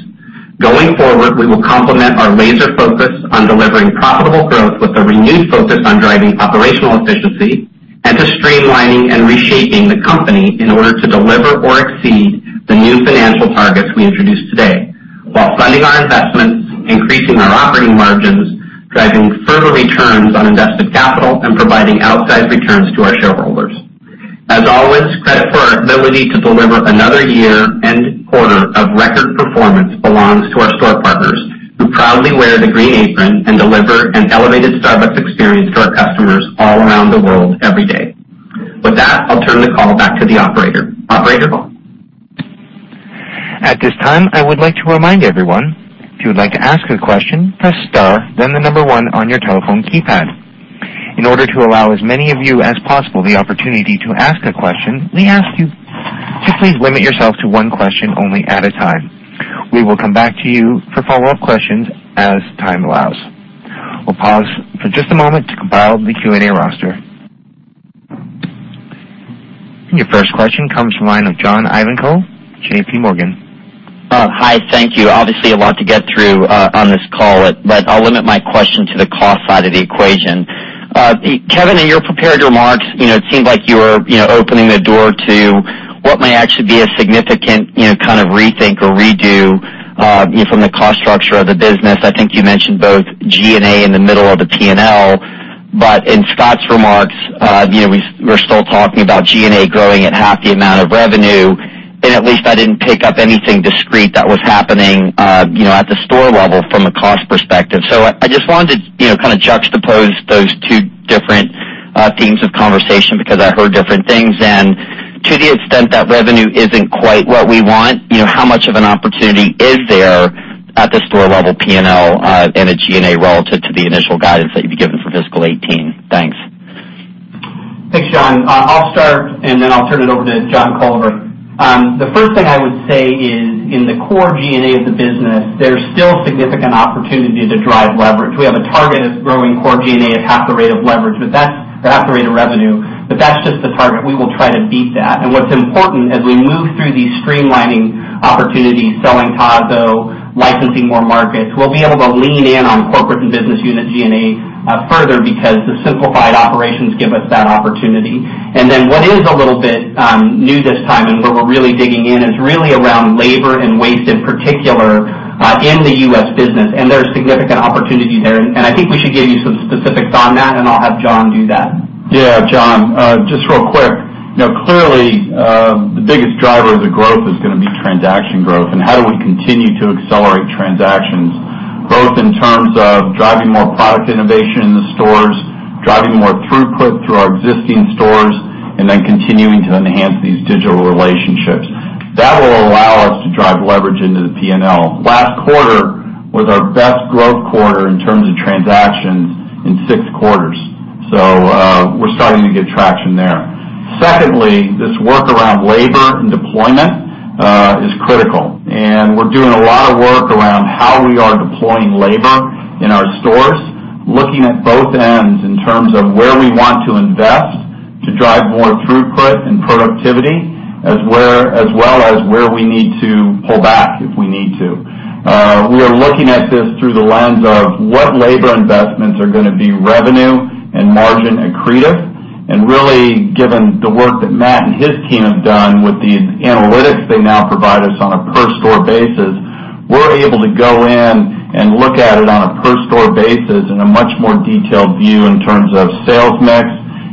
Going forward, we will complement our laser focus on delivering profitable growth with a renewed focus on driving operational efficiency and to streamlining and reshaping the company in order to deliver or exceed the new financial targets we introduced today. While funding our investments, increasing our operating margins, driving further returns on invested capital, and providing outsized returns to our shareholders. As always, credit for our ability to deliver another year and quarter of record performance belongs to our store partners, who proudly wear the Green Apron and deliver an elevated Starbucks experience to our customers all around the world every day. With that, I'll turn the call back to the operator. Operator? At this time, I would like to remind everyone, if you would like to ask a question, press star, then the number one on your telephone keypad. In order to allow as many of you as possible the opportunity to ask a question, we ask you to please limit yourself to one question only at a time. We will come back to you for follow-up questions as time allows. We'll pause for just a moment to compile the Q&A roster. Your first question comes from the line of John Ivankoe, JP Morgan. Hi, thank you. Obviously, a lot to get through on this call. I'll limit my question to the cost side of the equation. Kevin, in your prepared remarks, it seemed like you were opening the door to what may actually be a significant rethink or redo from the cost structure of the business. I think you mentioned both G&A in the middle of the P&L. In Scott's remarks, we're still talking about G&A growing at half the amount of revenue. At least I didn't pick up anything discrete that was happening at the store level from a cost perspective. I just wanted to juxtapose those two different themes of conversation because I heard different things. To the extent that revenue isn't quite what we want, how much of an opportunity is there at the store-level P&L in a G&A role to the initial guidance that you've given for fiscal 2018? Thanks. Thanks, John. I'll start, then I'll turn it over to John Culver. The first thing I would say is, in the core G&A of the business, there's still significant opportunity to drive leverage. We have a target of growing core G&A at half the rate of revenue. That's just the target. We will try to beat that. What's important, as we move through these streamlining opportunities, selling Tazo, licensing more markets, we'll be able to lean in on corporate and business unit G&A further because the simplified operations give us that opportunity. Then what is a little bit new this time and where we're really digging in is really around labor and waste in particular, in the U.S. business. There's significant opportunity there. I think we should give you some specifics on that, and I'll have John do that. Yeah, John, just real quick. Clearly, the biggest driver of the growth is going to be transaction growth and how do we continue to accelerate transactions. Both in terms of driving more product innovation in the stores, driving more throughput through our existing stores, and then continuing to enhance these digital relationships. That will allow us to drive leverage into the P&L. Last quarter was our best growth quarter in terms of transactions in six quarters. We're starting to get traction there. Secondly, this work around labor and deployment is critical. We're doing a lot of work around how we are deploying labor in our stores, looking at both ends in terms of where we want to invest to drive more throughput and productivity, as well as where we need to pull back if we need to. We are looking at this through the lens of what labor investments are going to be revenue and margin accretive. Really, given the work that Matt and his team have done with these analytics they now provide us on a per store basis, we're able to go in and look at it on a per store basis in a much more detailed view in terms of sales mix,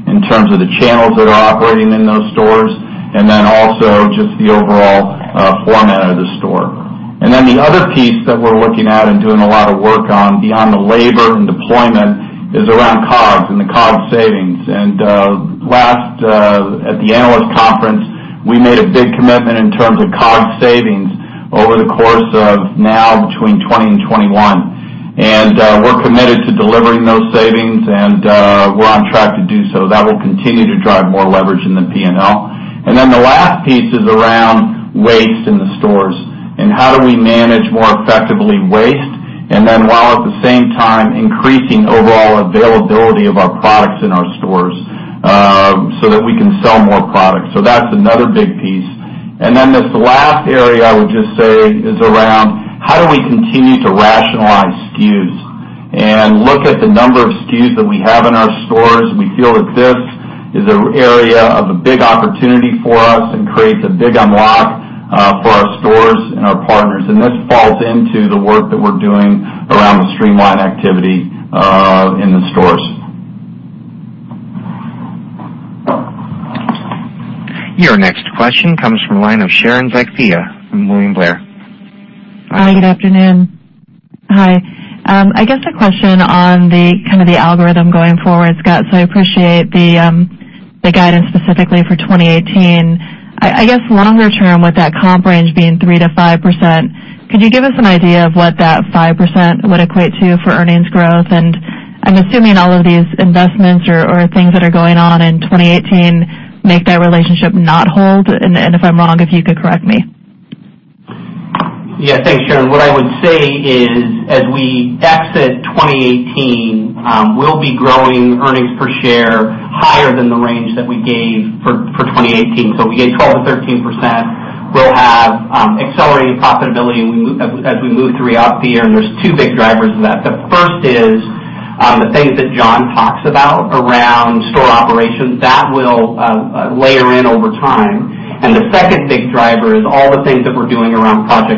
in terms of the channels that are operating in those stores, and then also just the overall format of the store. Then the other piece that we're looking at and doing a lot of work on beyond the labor and deployment is around COGS and the COGS savings. Last, at the analyst conference, we made a big commitment in terms of COGS savings over the course of now between 2020 and 2021. We're committed to delivering those savings, and we're on track to do so. That will continue to drive more leverage in the P&L. The last piece is around waste in the stores and how do we manage more effectively waste. While at the same time increasing overall availability of our products in our stores, so that we can sell more products. That's another big piece. This last area I would just say is around how do we continue to rationalize SKUs and look at the number of SKUs that we have in our stores. We feel that this is an area of a big opportunity for us and creates a big unlock for our stores and our partners. This falls into the work that we're doing around the streamline activity in the stores. Your next question comes from the line of Sharon Zackfia from William Blair. Hi, good afternoon. Hi. I guess a question on the algorithm going forward, Scott. I appreciate the guidance specifically for 2018. I guess longer term, with that comp range being 3%-5%, could you give us an idea of what that 5% would equate to for earnings growth? I'm assuming all of these investments or things that are going on in 2018 make that relationship not hold, and if I'm wrong, if you could correct me. Yeah. Thanks, Sharon. What I would say is as we exit 2018, we'll be growing earnings per share higher than the range that we gave for 2018. We gave 12%-13%. We'll have accelerated profitability as we move through FY and there's two big drivers of that. The first is the things that John talks about around store operations. That will layer in over time. The second big driver is all the things that we're doing around Project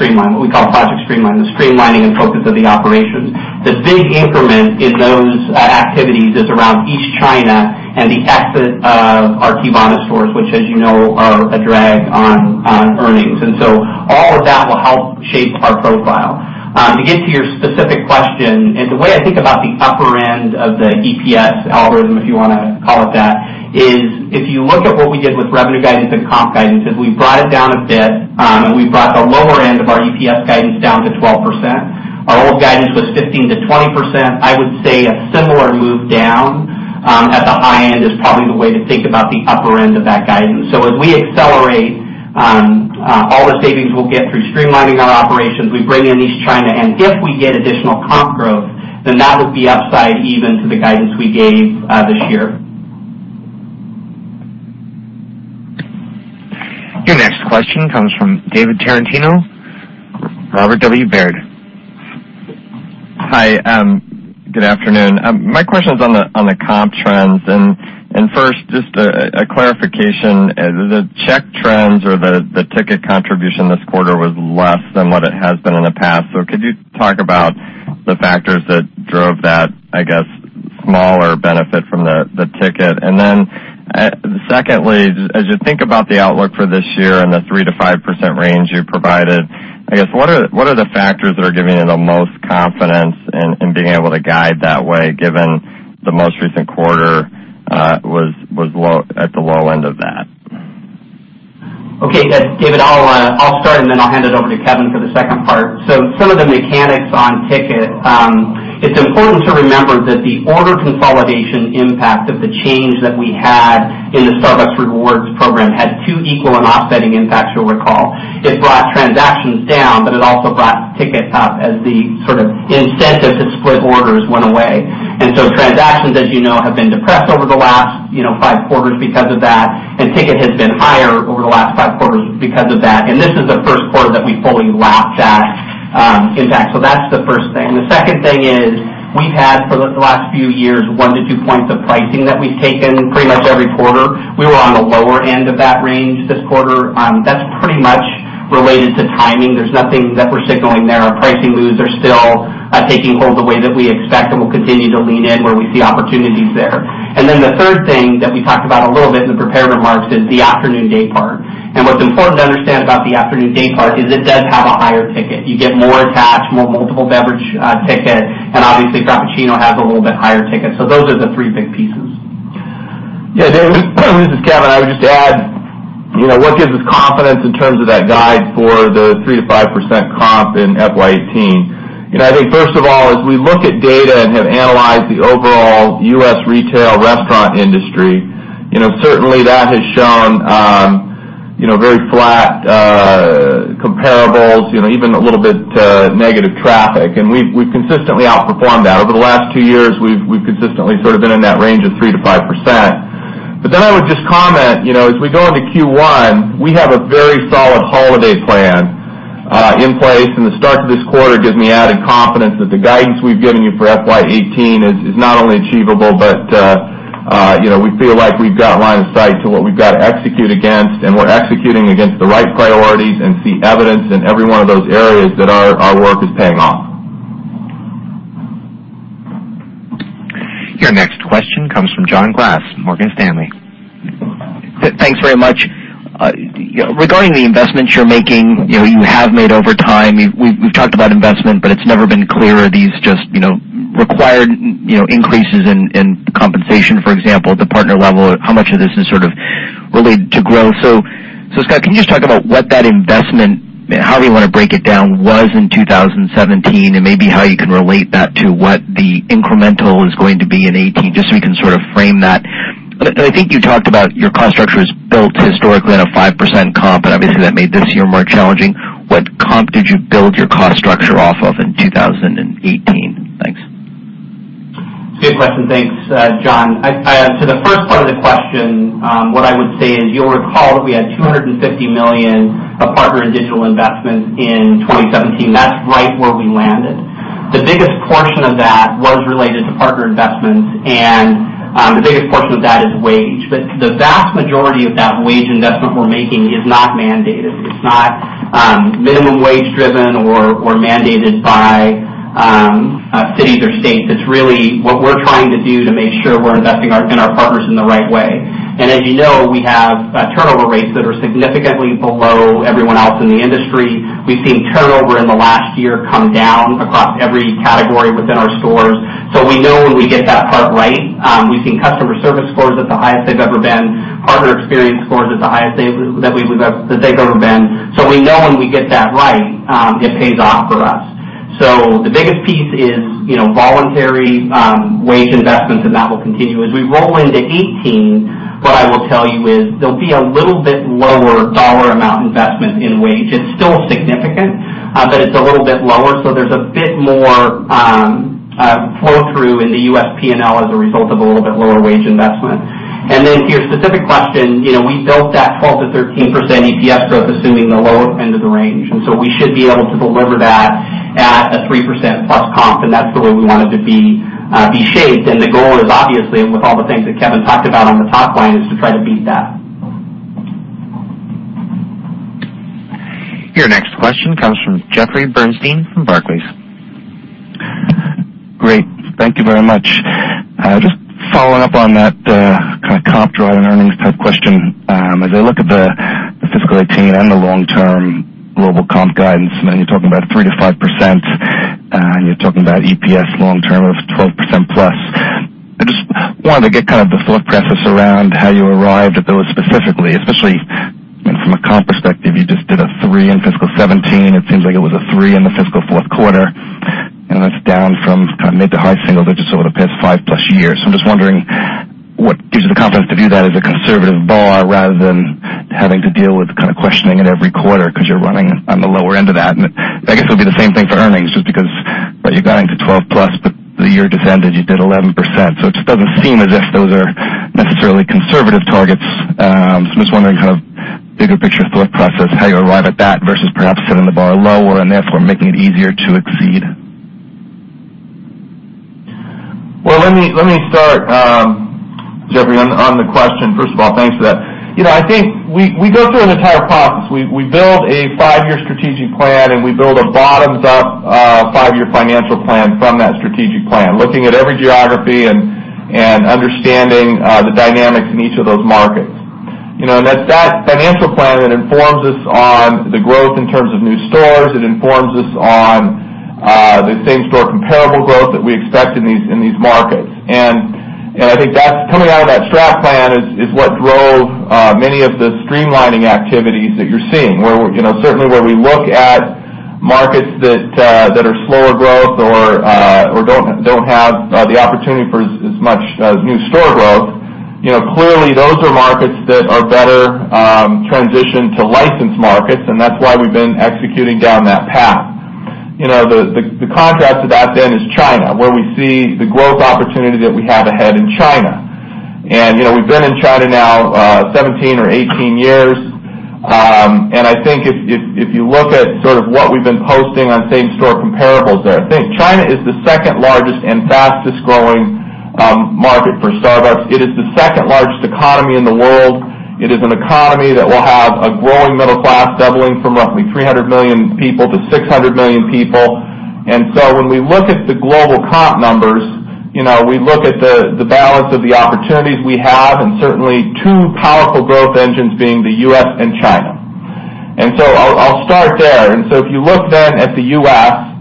Streamline, what we call Project Streamline, the streamlining and focus of the operations. The big increment in those activities is around East China and the exit of our Teavana stores, which, as you know, are a drag on earnings. All of that will help shape our profile. To get to your specific question, the way I think about the upper end of the EPS algorithm, if you want to call it that, is if you look at what we did with revenue guidance and comp guidance, is we brought it down a bit, we brought the lower end of our EPS guidance down to 12%. Our old guidance was 15%-20%. I would say a similar move down at the high end is probably the way to think about the upper end of that guidance. As we accelerate all the savings we'll get through streamlining our operations, we bring in East China, and if we get additional comp growth, then that will be upside even to the guidance we gave this year. Your next question comes from David Tarantino, Robert W. Baird. Hi, good afternoon. My question's on the comp trends. First, just a clarification, the check trends or the ticket contribution this quarter was less than what it has been in the past. Could you talk about the factors that drove that, I guess, smaller benefit from the ticket? Then secondly, as you think about the outlook for this year and the 3%-5% range you provided, I guess, what are the factors that are giving you the most confidence in being able to guide that way, given the most recent quarter was at the low end of that? Okay. David, I'll start, then I'll hand it over to Kevin for the second part. Some of the mechanics on ticket, it's important to remember that the order consolidation impact of the change that we had in the Starbucks Rewards program had two equal and offsetting impacts, you'll recall. It brought transactions down, but it also brought ticket up as the incentive to split orders went away. Transactions, as you know, have been depressed over the last five quarters because of that, and ticket has been higher over the last five quarters because of that. This is the first quarter that we fully lapped that impact. That's the first thing. The second thing is we've had, for the last few years, one to two points of pricing that we've taken pretty much every quarter. We were on the lower end of that range this quarter. That's pretty much related to timing. There's nothing that we're signaling there. Our pricing moves are still taking hold the way that we expect, and we'll continue to lean in where we see opportunities there. The third thing that we talked about a little bit in the prepared remarks is the afternoon day part. What's important to understand about the afternoon day part is it does have a higher ticket. You get more attached, more multiple beverage ticket, and obviously cappuccino has a little bit higher ticket. Those are the three big pieces. Yeah. David, this is Kevin. I would just add, what gives us confidence in terms of that guide for the 3%-5% comp in FY 2018. I think first of all, as we look at data and have analyzed the overall U.S. retail restaurant industry, certainly that has shown very flat comparables, even a little bit negative traffic, and we've consistently outperformed that. Over the last two years, we've consistently been in that range of 3%-5%. I would just comment, as we go into Q1, we have a very solid holiday plan in place. The start to this quarter gives me added confidence that the guidance we've given you for FY 2018 is not only achievable, but we feel like we've got line of sight to what we've got to execute against, and we're executing against the right priorities and see evidence in every one of those areas that our work is paying off. Your next question comes from John Glass, Morgan Stanley. Thanks very much. Regarding the investments you're making, you have made over time, we've talked about investment, but it's never been clear are these just required increases in compensation, for example, at the partner level, how much of this is related to growth? Scott, can you just talk about what that investment, how you want to break it down, was in 2017, and maybe how you can relate that to what the incremental is going to be in 2018, just so we can frame that. I think you talked about your cost structure is built historically on a 5% comp, and obviously that made this year more challenging. What comp did you build your cost structure off of in 2018? Thanks. Good question. Thanks, John. To the first part of the question, what I would say is, you'll recall that we had $250 million of partner and digital investments in 2017. That's right where we landed. The biggest portion of that was related to partner investments, and the biggest portion of that is wage. The vast majority of that wage investment we're making is not mandated. It's not minimum wage driven or mandated by cities or states. It's really what we're trying to do to make sure we're investing in our partners in the right way. As you know, we have turnover rates that are significantly below everyone else in the industry. We've seen turnover in the last year come down across every category within our stores. We know when we get that it right. We've seen customer service scores at the highest they've ever been, partner experience scores at the highest that they've ever been. We know when we get that right, it pays off for us. The biggest piece is voluntary wage investments, and that will continue. As we roll into 2018, what I will tell you is there'll be a little bit lower dollar amount investment in wage. It's still significant, but it's a little bit lower, so there's a bit more flow through in the U.S. P&L as a result of a little bit lower wage investment. Then to your specific question, we've built that 12%-13% EPS growth assuming the lower end of the range, we should be able to deliver that at a 3% plus comp, and that's the way we want it to be shaped. The goal is obviously, with all the things that Kevin talked about on the top line, is to try to beat that. Your next question comes from Jeffrey Bernstein from Barclays. Great. Thank you very much. Just following up on that kind of comp drive and earnings type question. As I look at the fiscal 2018 and the long-term global comp guidance, I know you're talking about 3%-5%, and you're talking about EPS long term of 12%+. I just wanted to get kind of the thought process around how you arrived at those specifically, especially from a comp perspective. You just did a 3% in fiscal 2017. It seems like it was a 3% in the fiscal fourth quarter, and that's down from kind of mid to high single digits over the past 5+ years. I'm just wondering what gives you the confidence to do that as a conservative bar rather than having to deal with kind of questioning it every quarter because you're running on the lower end of that. I guess it would be the same thing for earnings, just because you're guiding to 12%+, but the year just ended, you did 11%. It just doesn't seem as if those are necessarily conservative targets. I'm just wondering kind of bigger picture thought process, how you arrive at that versus perhaps setting the bar lower and therefore making it easier to exceed. Well, let me start, Jeffrey, on the question. First of all, thanks for that. I think we go through an entire process. We build a 5-year strategic plan, and we build a bottoms-up 5-year financial plan from that strategic plan, looking at every geography and understanding the dynamics in each of those markets. That's that financial plan that informs us on the growth in terms of new stores. It informs us on the same-store comparable growth that we expect in these markets. I think coming out of that strat plan is what drove many of the streamlining activities that you're seeing, certainly where we look at markets that are slower growth or don't have the opportunity for as much new store growth. Clearly, those are markets that are better transitioned to licensed markets, and that's why we've been executing down that path. The contrast to that is China, where we see the growth opportunity that we have ahead in China. We've been in China now 17 or 18 years, and I think if you look at sort of what we've been posting on same-store comparables there, I think China is the second largest and fastest growing market for Starbucks. It is the second largest economy in the world. It is an economy that will have a growing middle class, doubling from roughly 300 million people to 600 million people. When we look at the global comp numbers, we look at the balance of the opportunities we have, and certainly two powerful growth engines being the U.S. and China. I'll start there. If you look at the U.S.,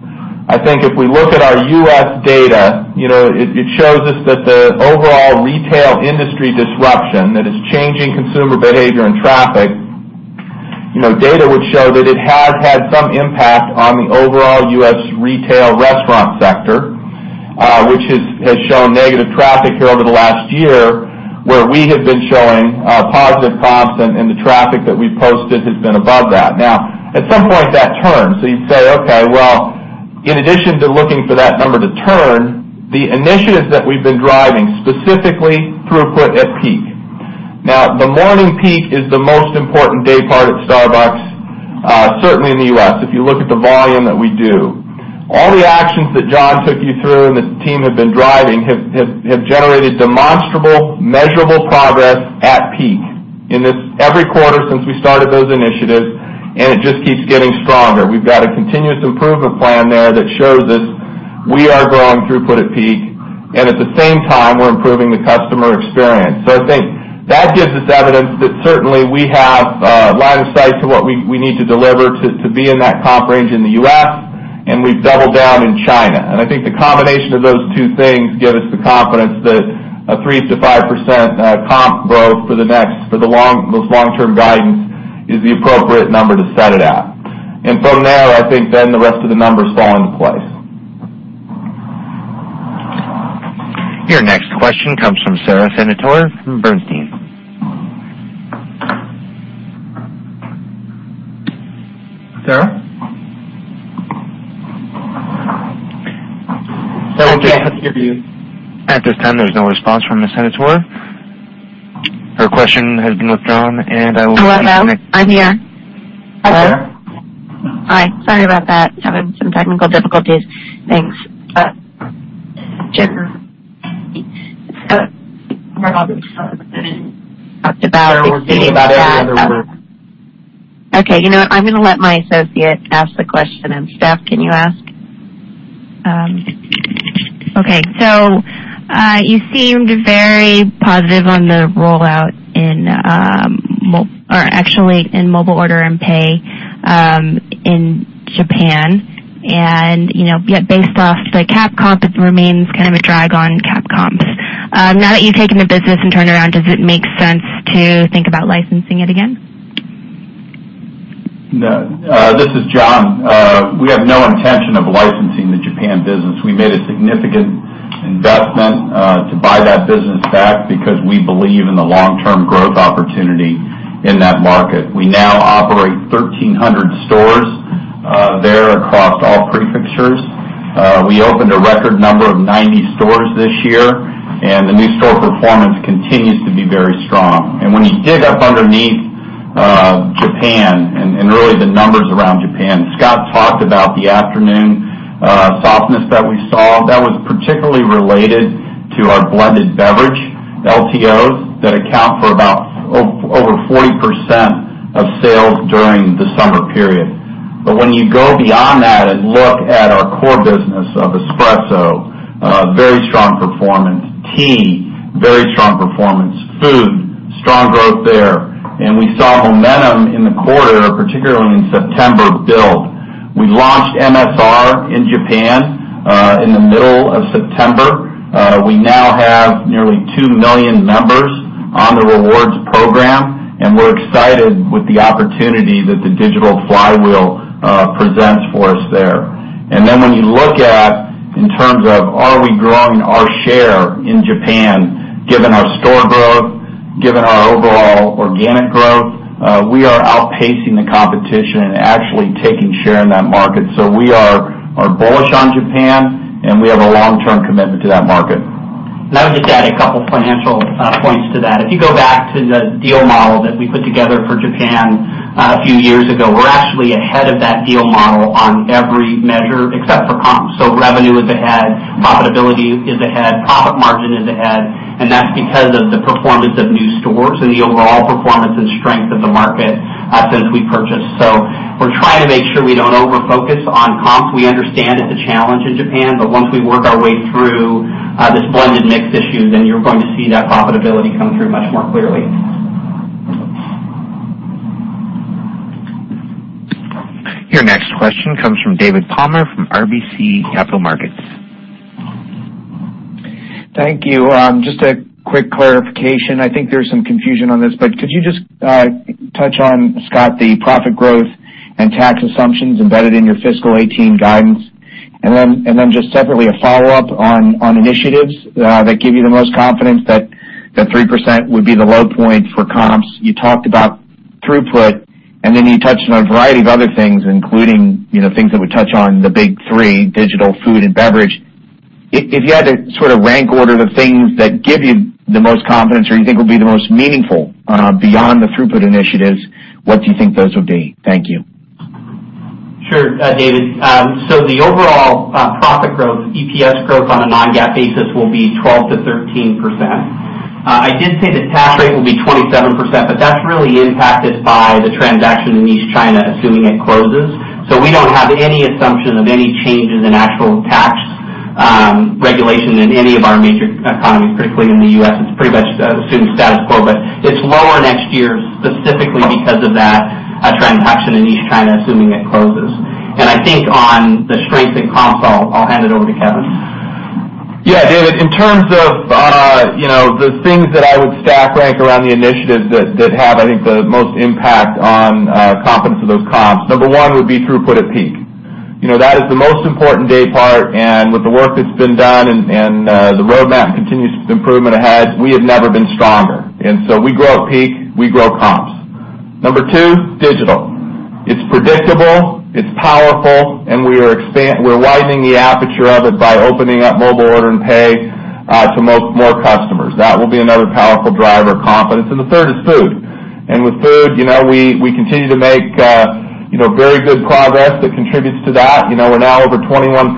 I think if we look at our U.S. data, it shows us that the overall retail industry disruption that is changing consumer behavior and traffic, data would show that it has had some impact on the overall U.S. retail restaurant sector, which has shown negative traffic here over the last year, where we have been showing positive comps and the traffic that we've posted has been above that. At some point, that turns. You say, okay, well, in addition to looking for that number to turn, the initiatives that we've been driving, specifically throughput at peak. The morning peak is the most important day part at Starbucks, certainly in the U.S., if you look at the volume that we do. All the actions that John Culver took you through and the team have been driving have generated demonstrable, measurable progress at peak in every quarter since we started those initiatives, it just keeps getting stronger. We've got a continuous improvement plan there that shows us we are growing throughput at peak, and at the same time, we're improving the customer experience. I think that gives us evidence that certainly we have a line of sight to what we need to deliver to be in that comp range in the U.S., we've doubled down in China. I think the combination of those two things give us the confidence that a 3%-5% comp growth for those long-term guidance is the appropriate number to set it at. From there, I think the rest of the numbers fall into place. Your next question comes from Sara Senatore from Bernstein. Sarah? Sara, we can't hear you. At this time, there's no response from Ms. Senatore. Her question has been withdrawn, and I will- Hello, I'm here. Hello. Hi. Sorry about that. Having some technical difficulties. Thanks. Jeff. Sara, we're seeing about every other word. Okay, you know what? I'm going to let my associate ask the question then. Steph, can you ask? Okay. You seemed very positive on the rollout in Mobile Order & Pay in Japan, and yet based off the CAP comp, it remains kind of a drag on CAP comps. Now that you've taken the business and turned it around, does it make sense to think about licensing it again? This is John. We have no intention of licensing the Japan business. We made a significant investment to buy that business back because we believe in the long-term growth opportunity in that market. We now operate 1,300 stores there across all prefectures. We opened a record number of 90 stores this year, and the new store performance continues to be very strong. When you dig up underneath Japan and really the numbers around Japan, Scott talked about the afternoon softness that we saw. That was particularly related to our blended beverage LTOs that account for about over 40% of sales during the summer period. When you go beyond that and look at our core business of espresso, very strong performance. Tea, very strong performance. Food, strong growth there. We saw momentum in the quarter, particularly in September, build. We launched MSR in Japan in the middle of September. We now have nearly two million members on the rewards program, and we're excited with the opportunity that the digital flywheel presents for us there. When you look at in terms of are we growing our share in Japan, given our store growth, given our overall organic growth, we are outpacing the competition and actually taking share in that market. We are bullish on Japan, and we have a long-term commitment to that market. I would just add two financial points to that. If you go back to the deal model that we put together for Japan a few years ago, we're actually ahead of that deal model on every measure except for comps. Revenue is ahead, profitability is ahead, profit margin is ahead, and that's because of the performance of new stores and the overall performance and strength of the market since we purchased. We're trying to make sure we don't over-focus on comps. We understand it's a challenge in Japan, but once we work our way through this blended mix issue, you're going to see that profitability come through much more clearly. Your next question comes from David Palmer from RBC Capital Markets. Thank you. Just a quick clarification. I think there's some confusion on this, but could you just touch on, Scott, the profit growth and tax assumptions embedded in your fiscal 2018 guidance? Just separately, a follow-up on initiatives that give you the most confidence that 3% would be the low point for comps. You talked about throughput, and then you touched on a variety of other things, including things that would touch on the big three, digital, food, and beverage. If you had to rank order the things that give you the most confidence or you think will be the most meaningful beyond the throughput initiatives, what do you think those would be? Thank you. Sure, David. The overall profit growth, EPS growth on a non-GAAP basis will be 12%-13%. I did say the tax rate will be 27%, but that's really impacted by the transaction in East China, assuming it closes. We don't have any assumption of any changes in actual tax regulation in any of our major economies, particularly in the U.S. It's pretty much assuming status quo, but it's lower next year specifically because of that transaction in East China, assuming it closes. I think on the strength in comps, I'll hand it over to Kevin. Yeah, David, in terms of the things that I would stack rank around the initiatives that have, I think, the most impact on confidence of those comps, number one would be throughput at peak. That is the most important day part, and with the work that's been done and the roadmap continuous improvement ahead, we have never been stronger. So we grow at peak, we grow comps. Number two, digital. It's predictable, it's powerful, and we're widening the aperture of it by opening up Mobile Order & Pay to more customers. That will be another powerful driver of confidence. The third is food. With food, we continue to make very good progress that contributes to that. We're now over 21%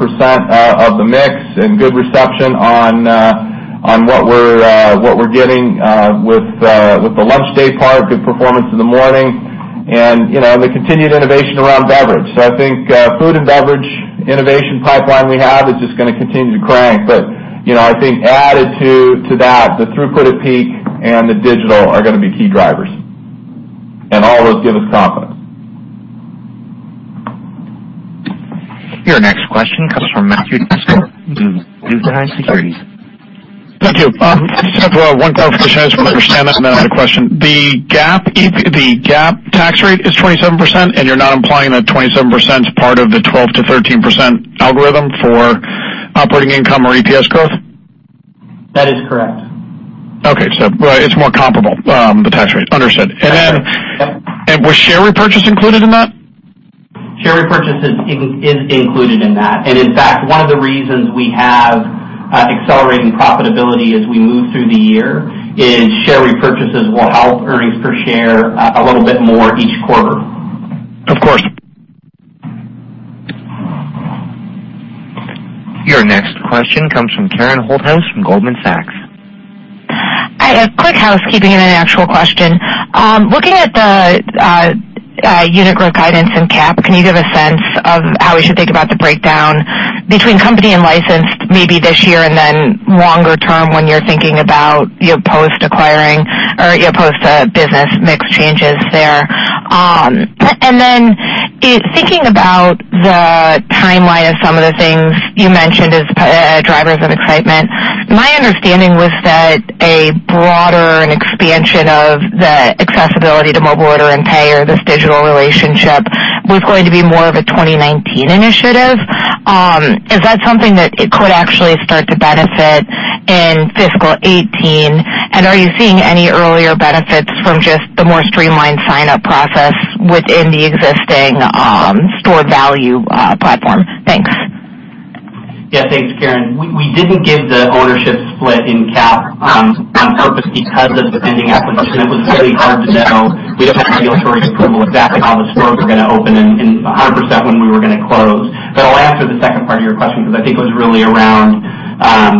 of the mix and good reception on what we're getting with the lunch day part, good performance in the morning, and the continued innovation around beverage. I think food and beverage innovation pipeline we have is just going to continue to crank. I think added to that, the throughput at peak and the digital are going to be key drivers. All those give us confidence. Your next question comes from Matthew DiFrisco, Guggenheim Securities. Thank you. Just have one clarification just to understand that, then I have a question. The GAAP tax rate is 27%, you're not implying that 27% is part of the 12%-13% algorithm for operating income or EPS growth? That is correct. Okay. It's more comparable, the tax rate. Understood. That's right. Yep. Was share repurchase included in that? Share repurchase is included in that. In fact, one of the reasons we have accelerating profitability as we move through the year is share repurchases will help earnings per share a little bit more each quarter. Of course. Your next question comes from Karen Holthouse from Goldman Sachs. I have quick housekeeping and an actual question. Looking at the unit growth guidance in CAP, can you give a sense of how we should think about the breakdown between company and licensed maybe this year and then longer term when you're thinking about post acquiring or post business mix changes there? Then thinking about the timeline of some of the things you mentioned as drivers of excitement, my understanding was that a broader and expansion of the accessibility to Mobile Order & Pay or this digital relationship was going to be more of a 2019 initiative. Is that something that could actually start to benefit in fiscal 2018? Are you seeing any earlier benefits from just the more streamlined signup process within the existing stored value platform? Thanks. Yeah. Thanks, Karen. We didn't give the ownership split in CAP on purpose because of the pending acquisition. It was really hard to know. We don't have regulatory approval exactly how the stores were going to open and 100% when we were going to close. I'll answer the second part of your question because I think it was really around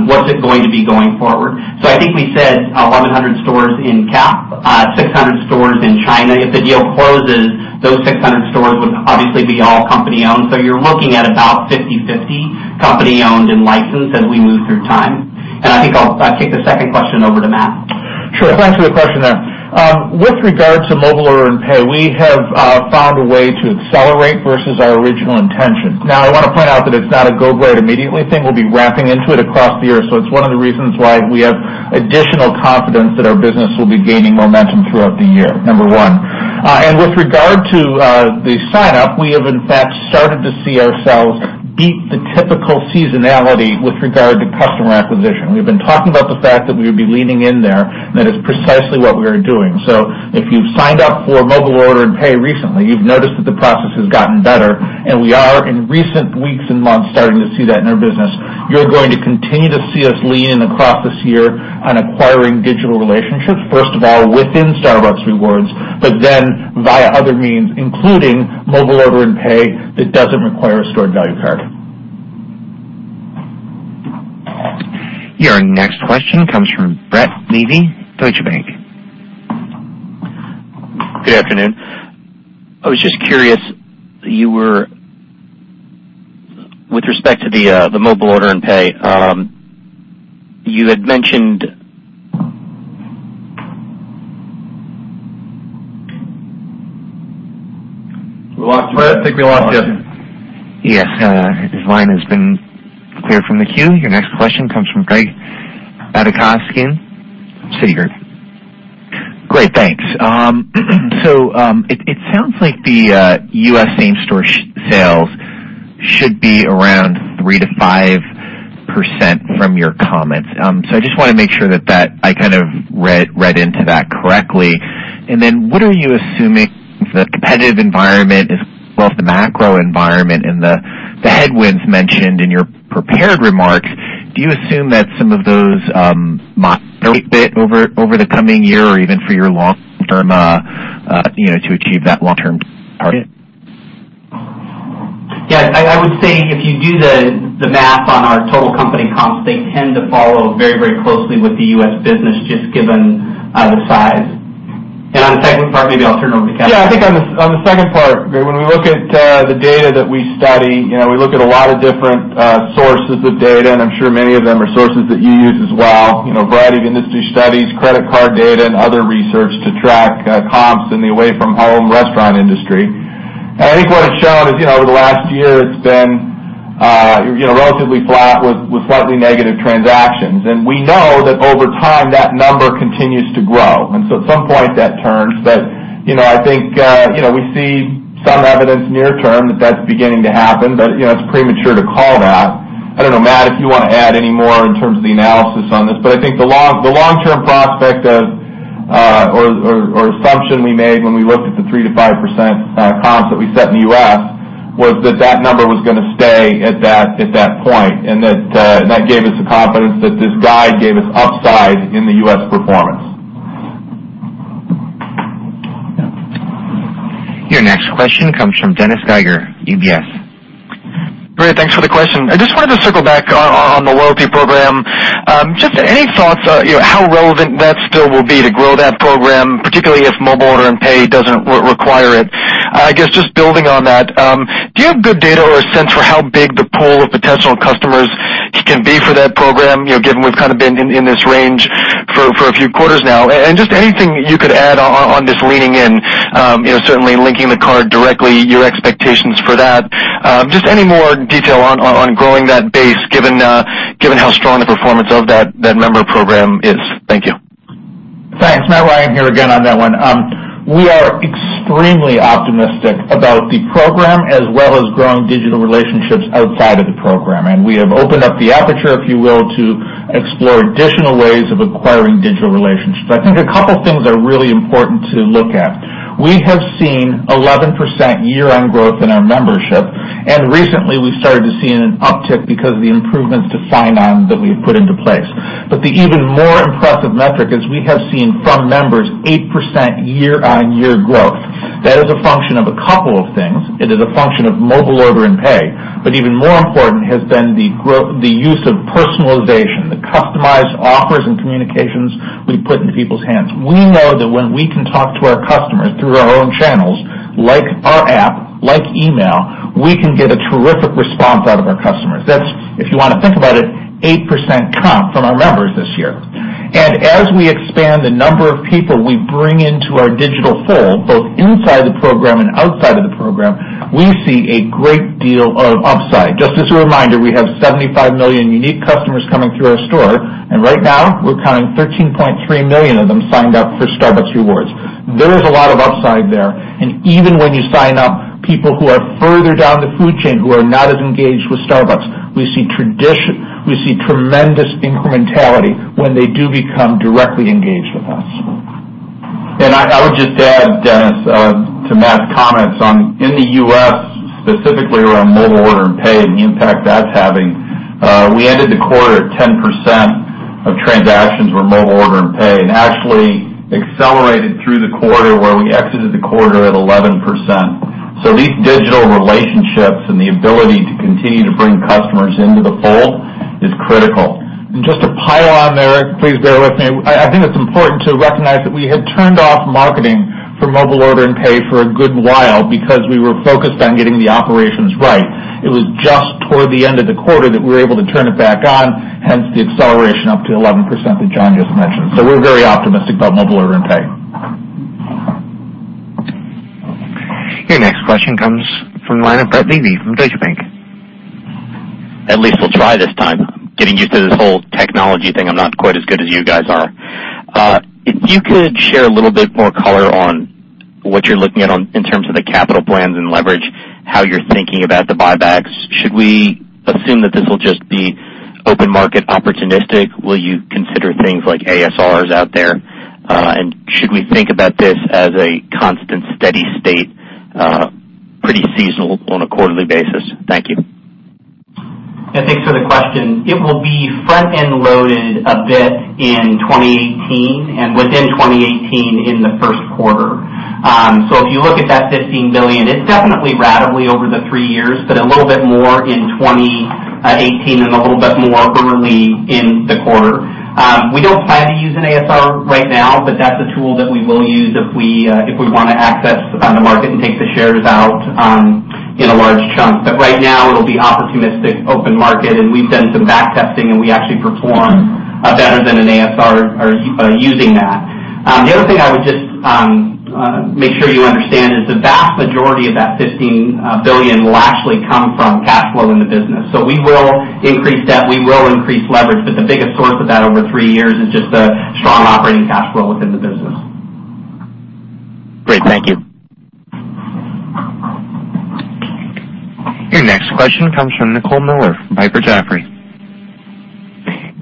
what's it going to be going forward. I think we said 1,100 stores in CAP, 600 stores in China. If the deal closes, those 600 stores would obviously be all company-owned. You're looking at about 50/50 company-owned and licensed as we move through time. I think I'll kick the second question over to Matt. Sure. Thanks for the question there. With regard to Mobile Order & Pay, we have found a way to accelerate versus our original intention. Now, I want to point out that it's not a go-grade immediately thing. We'll be ramping into it across the year. It's one of the reasons why we have additional confidence that our business will be gaining momentum throughout the year, number one. With regard to the sign up, we have in fact started to see ourselves beat the typical seasonality with regard to customer acquisition. We've been talking about the fact that we would be leaning in there, and that is precisely what we are doing. If you've signed up for Mobile Order & Pay recently, you've noticed that the process has gotten better, and we are in recent weeks and months starting to see that in our business. You're going to continue to see us lean in across this year on acquiring digital relationships, first of all, within Starbucks Rewards, but then via other means, including Mobile Order & Pay that doesn't require a stored value card. Your next question comes from Brett Levy, Deutsche Bank. Good afternoon. I was just curious, with respect to the Mobile Order & Pay, you had mentioned We lost Brett. I think we lost you. Yes. His line has been cleared from the queue. Your next question comes from Gregory Badishkanian, Citigroup. Great. Thanks. It sounds like the U.S. same-store sales should be around 3%-5% from your comments. I just want to make sure that I read into that correctly. What are you assuming the competitive environment, as well as the macro environment and the headwinds mentioned in your prepared remarks, do you assume that some of those might abate over the coming year or even to achieve that long-term target? Yes, I would say if you do the math on our total company comps, they tend to follow very closely with the U.S. business just given the size. On the second part, maybe I'll turn it over to Kevin. Yeah, I think on the second part, Greg, when we look at the data that we study, we look at a lot of different sources of data, and I'm sure many of them are sources that you use as well. A variety of industry studies, credit card data, and other research to track comps in the away-from-home restaurant industry. I think what it's shown is over the last year, it's been relatively flat with slightly negative transactions. We know that over time, that number continues to grow. At some point, that turns. I think we see some evidence near term that that's beginning to happen, but it's premature to call that. I don't know, Matt, if you want to add any more in terms of the analysis on this. I think the long-term prospect of or assumption we made when we looked at the 3%-5% comps that we set in the U.S. was that that number was going to stay at that point, and that gave us the confidence that this guide gave us upside in the U.S. performance. Your next question comes from Dennis Geiger, UBS. Great. Thanks for the question. I just wanted to circle back on the loyalty program. Just any thoughts how relevant that still will be to grow that program, particularly if Mobile Order & Pay doesn't require it? I guess just building on that, do you have good data or a sense for how big the pool of potential customers can be for that program, given we've kind of been in this range for a few quarters now? Just anything you could add on this leaning in, certainly linking the card directly, your expectations for that. Just any more detail on growing that base, given how strong the performance of that member program is. Thank you. Thanks. Matthew Ryan here again on that one. We are extremely optimistic about the program as well as growing digital relationships outside of the program. We have opened up the aperture, if you will, to explore additional ways of acquiring digital relationships. I think a couple things are really important to look at. We have seen 11% year-on growth in our membership, and recently we started to see an uptick because of the improvements to sign-ups that we've put into place. The even more impressive metric is we have seen from members 8% year-on-year growth. That is a function of a couple of things. It is a function of Mobile Order & Pay. Even more important has been the use of personalization, the customized offers and communications we put into people's hands. We know that when we can talk to our customers through our own channels, like our app, like email, we can get a terrific response out of our customers. That's, if you want to think about it, 8% comp from our members this year. As we expand the number of people we bring into our digital fold, both inside the program and outside of the program, we see a great deal of upside. Just as a reminder, we have 75 million unique customers coming through our store, and right now we're counting 13.3 million of them signed up for Starbucks Rewards. There is a lot of upside there. Even when you sign up people who are further down the food chain who are not as engaged with Starbucks, we see tremendous incrementality when they do become directly engaged with us. I would just add, Dennis, to Matt's comments on, in the U.S., specifically around Mobile Order & Pay and the impact that's having, we ended the quarter at 10% of transactions were Mobile Order & Pay, actually accelerated through the quarter where we exited the quarter at 11%. These digital relationships and the ability to continue to bring customers into the fold is critical. Just to pile on there, please bear with me. I think it's important to recognize that we had turned off marketing for Mobile Order & Pay for a good while because we were focused on getting the operations right. It was just toward the end of the quarter that we were able to turn it back on, hence the acceleration up to 11% that John just mentioned. We're very optimistic about Mobile Order & Pay. Your next question comes from the line of Brett Levy from Deutsche Bank. At least we'll try this time. Getting used to this whole technology thing, I'm not quite as good as you guys are. If you could share a little bit more color on what you're looking at in terms of the capital plans and leverage, how you're thinking about the buybacks. Should we assume that this will just be open market opportunistic? Will you consider things like ASRs out there? Should we think about this as a constant steady state, pretty seasonal on a quarterly basis? Thank you. Yeah, thanks for the question. It will be front-end loaded a bit in 2018 and within 2018 in the first quarter. If you look at that $15 billion, it's definitely ratably over the three years, but a little bit more in 2018 and a little bit more early in the quarter. We don't plan to use an ASR right now, but that's a tool that we will use if we want to access the market and take the shares out in a large chunk. Right now it'll be opportunistic open market, and we've done some back testing, and we actually perform better than an ASR using that. The other thing I would just make sure you understand is the vast majority of that $15 billion will actually come from cash flow in the business. We will increase debt, we will increase leverage, but the biggest source of that over three years is just the strong operating cash flow within the business. Great. Thank you. Your next question comes from Nicole Miller from Piper Jaffray.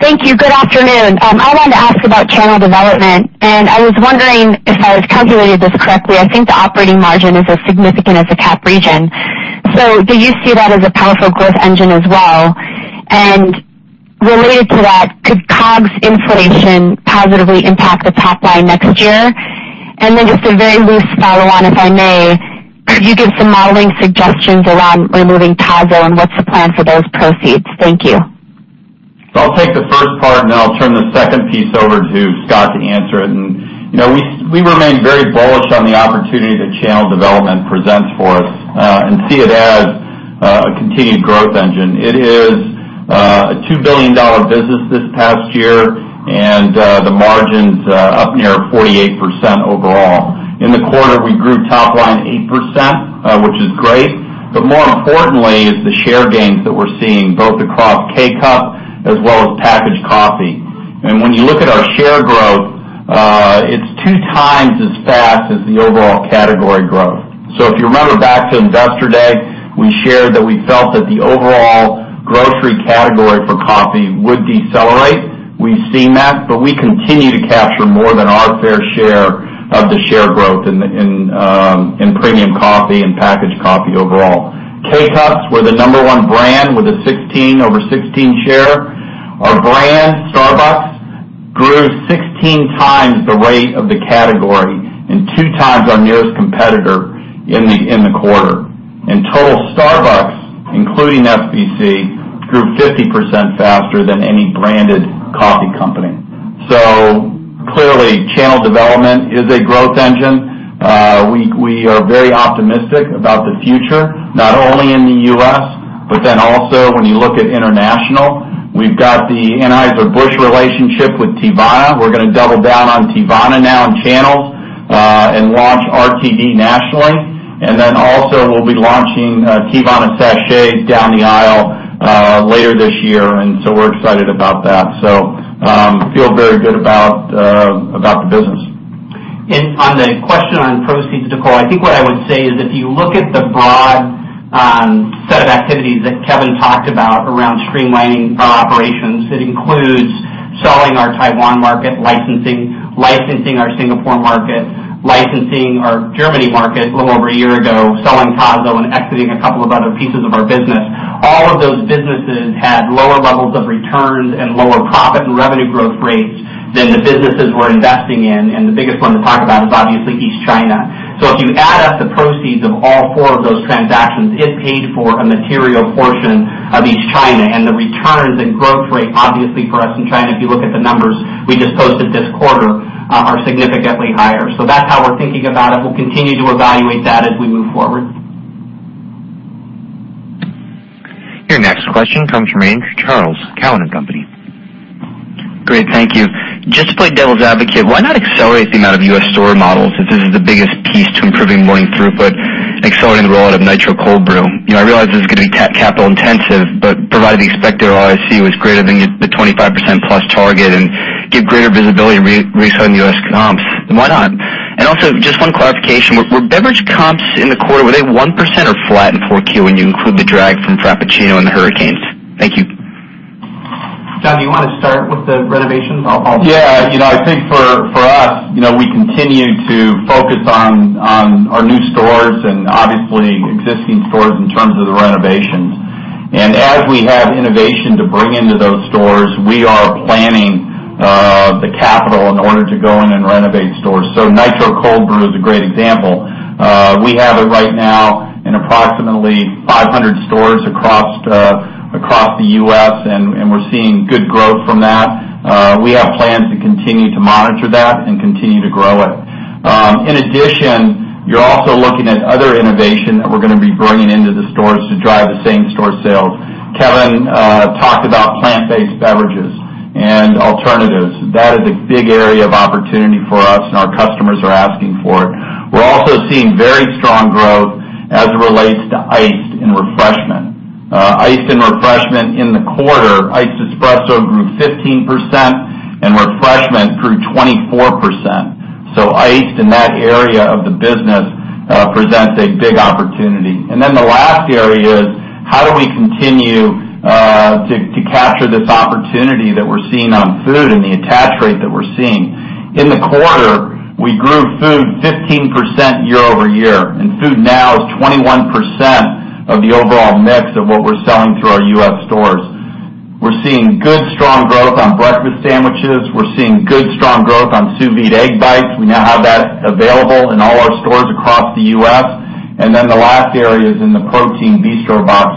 Thank you. Good afternoon. I wanted to ask about channel development. I was wondering if I calculated this correctly, I think the operating margin is as significant as the CAP region. Do you see that as a powerful growth engine as well? Related to that, could COGS inflation positively impact the top line next year? Just a very loose follow-on, if I may. Could you give some modeling suggestions around removing Tazo and what's the plan for those proceeds? Thank you. I'll take the first part, then I'll turn the second piece over to Scott to answer it. We remain very bullish on the opportunity that channel development presents for us, and see it as a continued growth engine. It is a $2 billion business this past year, and the margin's up near 48% overall. In the quarter, we grew top line 8%, which is great. More importantly is the share gains that we're seeing both across K-Cup as well as packaged coffee. When you look at our share growth, it's two times as fast as the overall category growth. If you remember back to Investor Day, we shared that we felt that the overall grocery category for coffee would decelerate. We've seen that, we continue to capture more than our fair share of the share growth in premium coffee and packaged coffee overall. K-Cups were the number one brand with a 16 over 16 share. Our brand, Starbucks, grew 16 times the rate of the category and two times our nearest competitor in the quarter. In total, Starbucks, including SBC, grew 50% faster than any branded coffee company. Clearly, channel development is a growth engine. We are very optimistic about the future, not only in the U.S., when you look at international. We've got the Anheuser-Busch relationship with Teavana. We're going to double down on Teavana now in channels, and launch RTD nationally. We'll be launching Teavana Sachet down the aisle later this year, we're excited about that. Feel very good about the business. On the question on proceeds, Nicole, I think what I would say is if you look at the broad set of activities that Kevin talked about around streamlining our operations, it includes selling our Taiwan market licensing our Singapore market, licensing our Germany market a little over a year ago, selling Tazo, and exiting a couple of other pieces of our business. All of those businesses had lower levels of returns and lower profit and revenue growth rates than the businesses we're investing in, and the biggest one to talk about is obviously East China. If you add up the proceeds of all four of those transactions, it paid for a material portion of East China, and the returns and growth rate, obviously for us in China, if you look at the numbers we just posted this quarter, are significantly higher. That's how we're thinking about it. We'll continue to evaluate that as we move forward. Your next question comes from Andrew Charles, Cowen and Company. Great, thank you. Just to play devil's advocate, why not accelerate the amount of U.S. store models if this is the biggest piece to improving morning throughput, accelerating the roll-out of Nitro Cold Brew? I realize this is going to be capital intensive, but provided the expected ROIC was greater than the 25%+ target and give greater visibility in resetting U.S. comps, why not? Also, just one clarification. Were beverage comps in the quarter, were they 1% or flat in Q4 when you include the drag from Frappuccino and the hurricanes? Thank you. John, do you want to start with the renovations? Yeah. I think for us, we continue to focus on our new stores and obviously existing stores in terms of the renovations. As we have innovation to bring into those stores, we are planning the capital in order to go in and renovate stores. Nitro Cold Brew is a great example. We have it right now in approximately 500 stores across the U.S., and we're seeing good growth from that. We have plans to continue to monitor that and continue to grow it. You're also looking at other innovation that we're going to be bringing into the stores to drive the same-store sales. Kevin talked about plant-based beverages and alternatives. That is a big area of opportunity for us, and our customers are asking for it. We're also seeing very strong growth as it relates to iced and refreshment. Iced and refreshment in the quarter, iced espresso grew 15% and refreshment grew 24%. Iced in that area of the business presents a big opportunity. The last area is how do we continue to capture this opportunity that we're seeing on food and the attach rate that we're seeing. In the quarter, we grew food 15% year-over-year, and food now is 21% of the overall mix of what we're selling through our U.S. stores. We're seeing good, strong growth on breakfast sandwiches. We're seeing good, strong growth on Sous Vide Egg Bites. We now have that available in all our stores across the U.S. The last area is in the Protein Bistro Box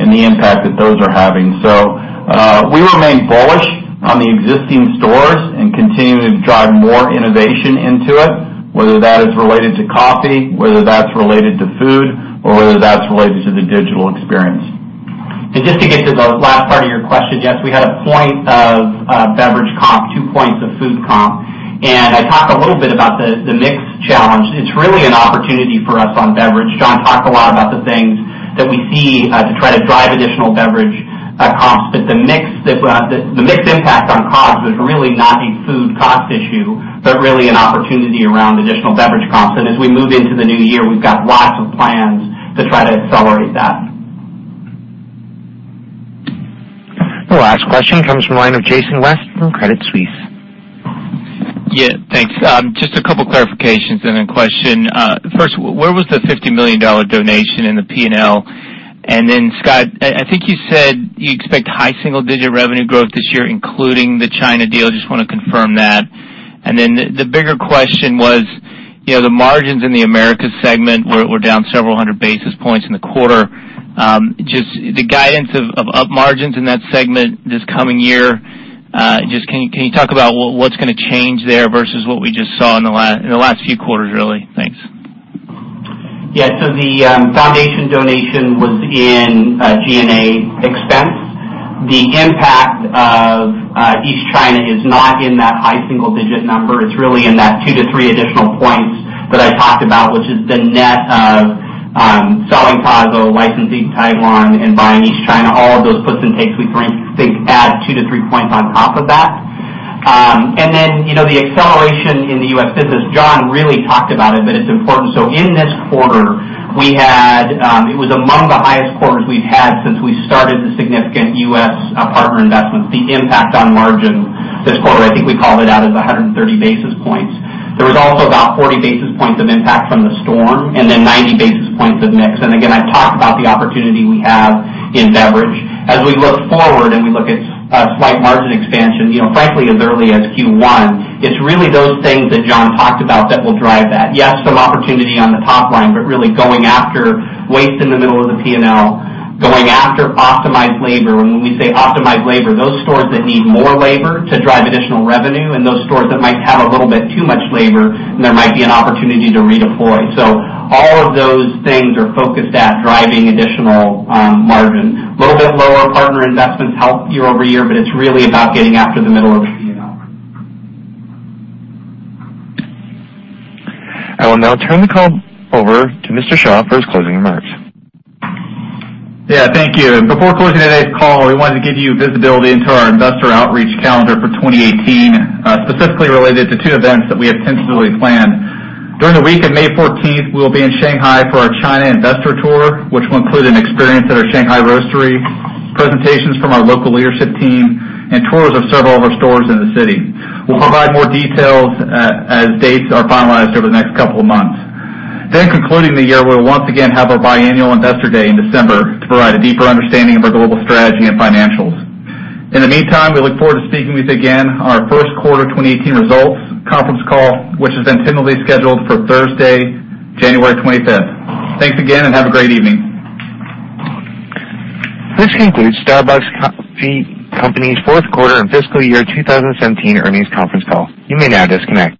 and the impact that those are having. We remain bullish on the existing stores and continue to drive more innovation into it, whether that is related to coffee, whether that's related to food, or whether that's related to the digital experience. Just to get to the last part of your question, yes, we had a point of beverage comp, 2 points of food comp, and I talked a little bit about the mix challenge. It's really an opportunity for us on beverage. John talked a lot about the things that we see to try to drive additional beverage comps. The mix impact on comps was really not a food cost issue, but really an opportunity around additional beverage comps. As we move into the new year, we've got lots of plans to try to accelerate that. The last question comes from the line of Jason West from Credit Suisse. Yeah. Thanks. Just a couple clarifications and then a question. First, where was the $50 million donation in the P&L? Scott, I think you said you expect high single-digit revenue growth this year, including the China deal. Just want to confirm that. The bigger question was, the margins in the Americas segment were down several hundred basis points in the quarter. Just the guidance of margins in that segment this coming year, just can you talk about what's going to change there versus what we just saw in the last few quarters, really? Thanks. Yeah. The foundation donation was in G&A expense. The impact of East China is not in that high single-digit number. It's really in that two to three additional points that I talked about, which is the net of selling Tazo, licensing Taiwan, and buying East China. All of those puts and takes, we think add two to three points on top of that. The acceleration in the U.S. business, John really talked about it, but it's important. In this quarter, it was among the highest quarters we've had since we started the significant U.S. partner investments, the impact on margin this quarter, I think we called it out as 130 basis points. There was also about 40 basis points of impact from the storm and 90 basis points of mix. Again, I've talked about the opportunity we have in beverage. As we look forward and we look at slight margin expansion, frankly, as early as Q1, it's really those things that John talked about that will drive that. Yes, some opportunity on the top line, but really going after waste in the middle of the P&L, going after optimized labor. When we say optimized labor, those stores that need more labor to drive additional revenue, and those stores that might have a little bit too much labor, and there might be an opportunity to redeploy. All of those things are focused at driving additional margin. Little bit lower partner investments help year-over-year, but it's really about getting after the middle of the P&L. I will now turn the call over to Mr. Shaw for his closing remarks. Yeah. Thank you. Before closing today's call, we wanted to give you visibility into our investor outreach calendar for 2018, specifically related to two events that we have tentatively planned. During the week of May 14th, we'll be in Shanghai for our China Investor tour, which will include an experience at our Shanghai roastery, presentations from our local leadership team, and tours of several of our stores in the city. We'll provide more details as dates are finalized over the next couple of months. Concluding the year, we'll once again have our biannual Investor Day in December to provide a deeper understanding of our global strategy and financials. In the meantime, we look forward to speaking with you again on our first quarter 2018 results conference call, which has been tentatively scheduled for Thursday, January 25th. Thanks again, and have a great evening. This concludes Starbucks Coffee Company's fourth quarter and fiscal year 2017 earnings conference call. You may now disconnect.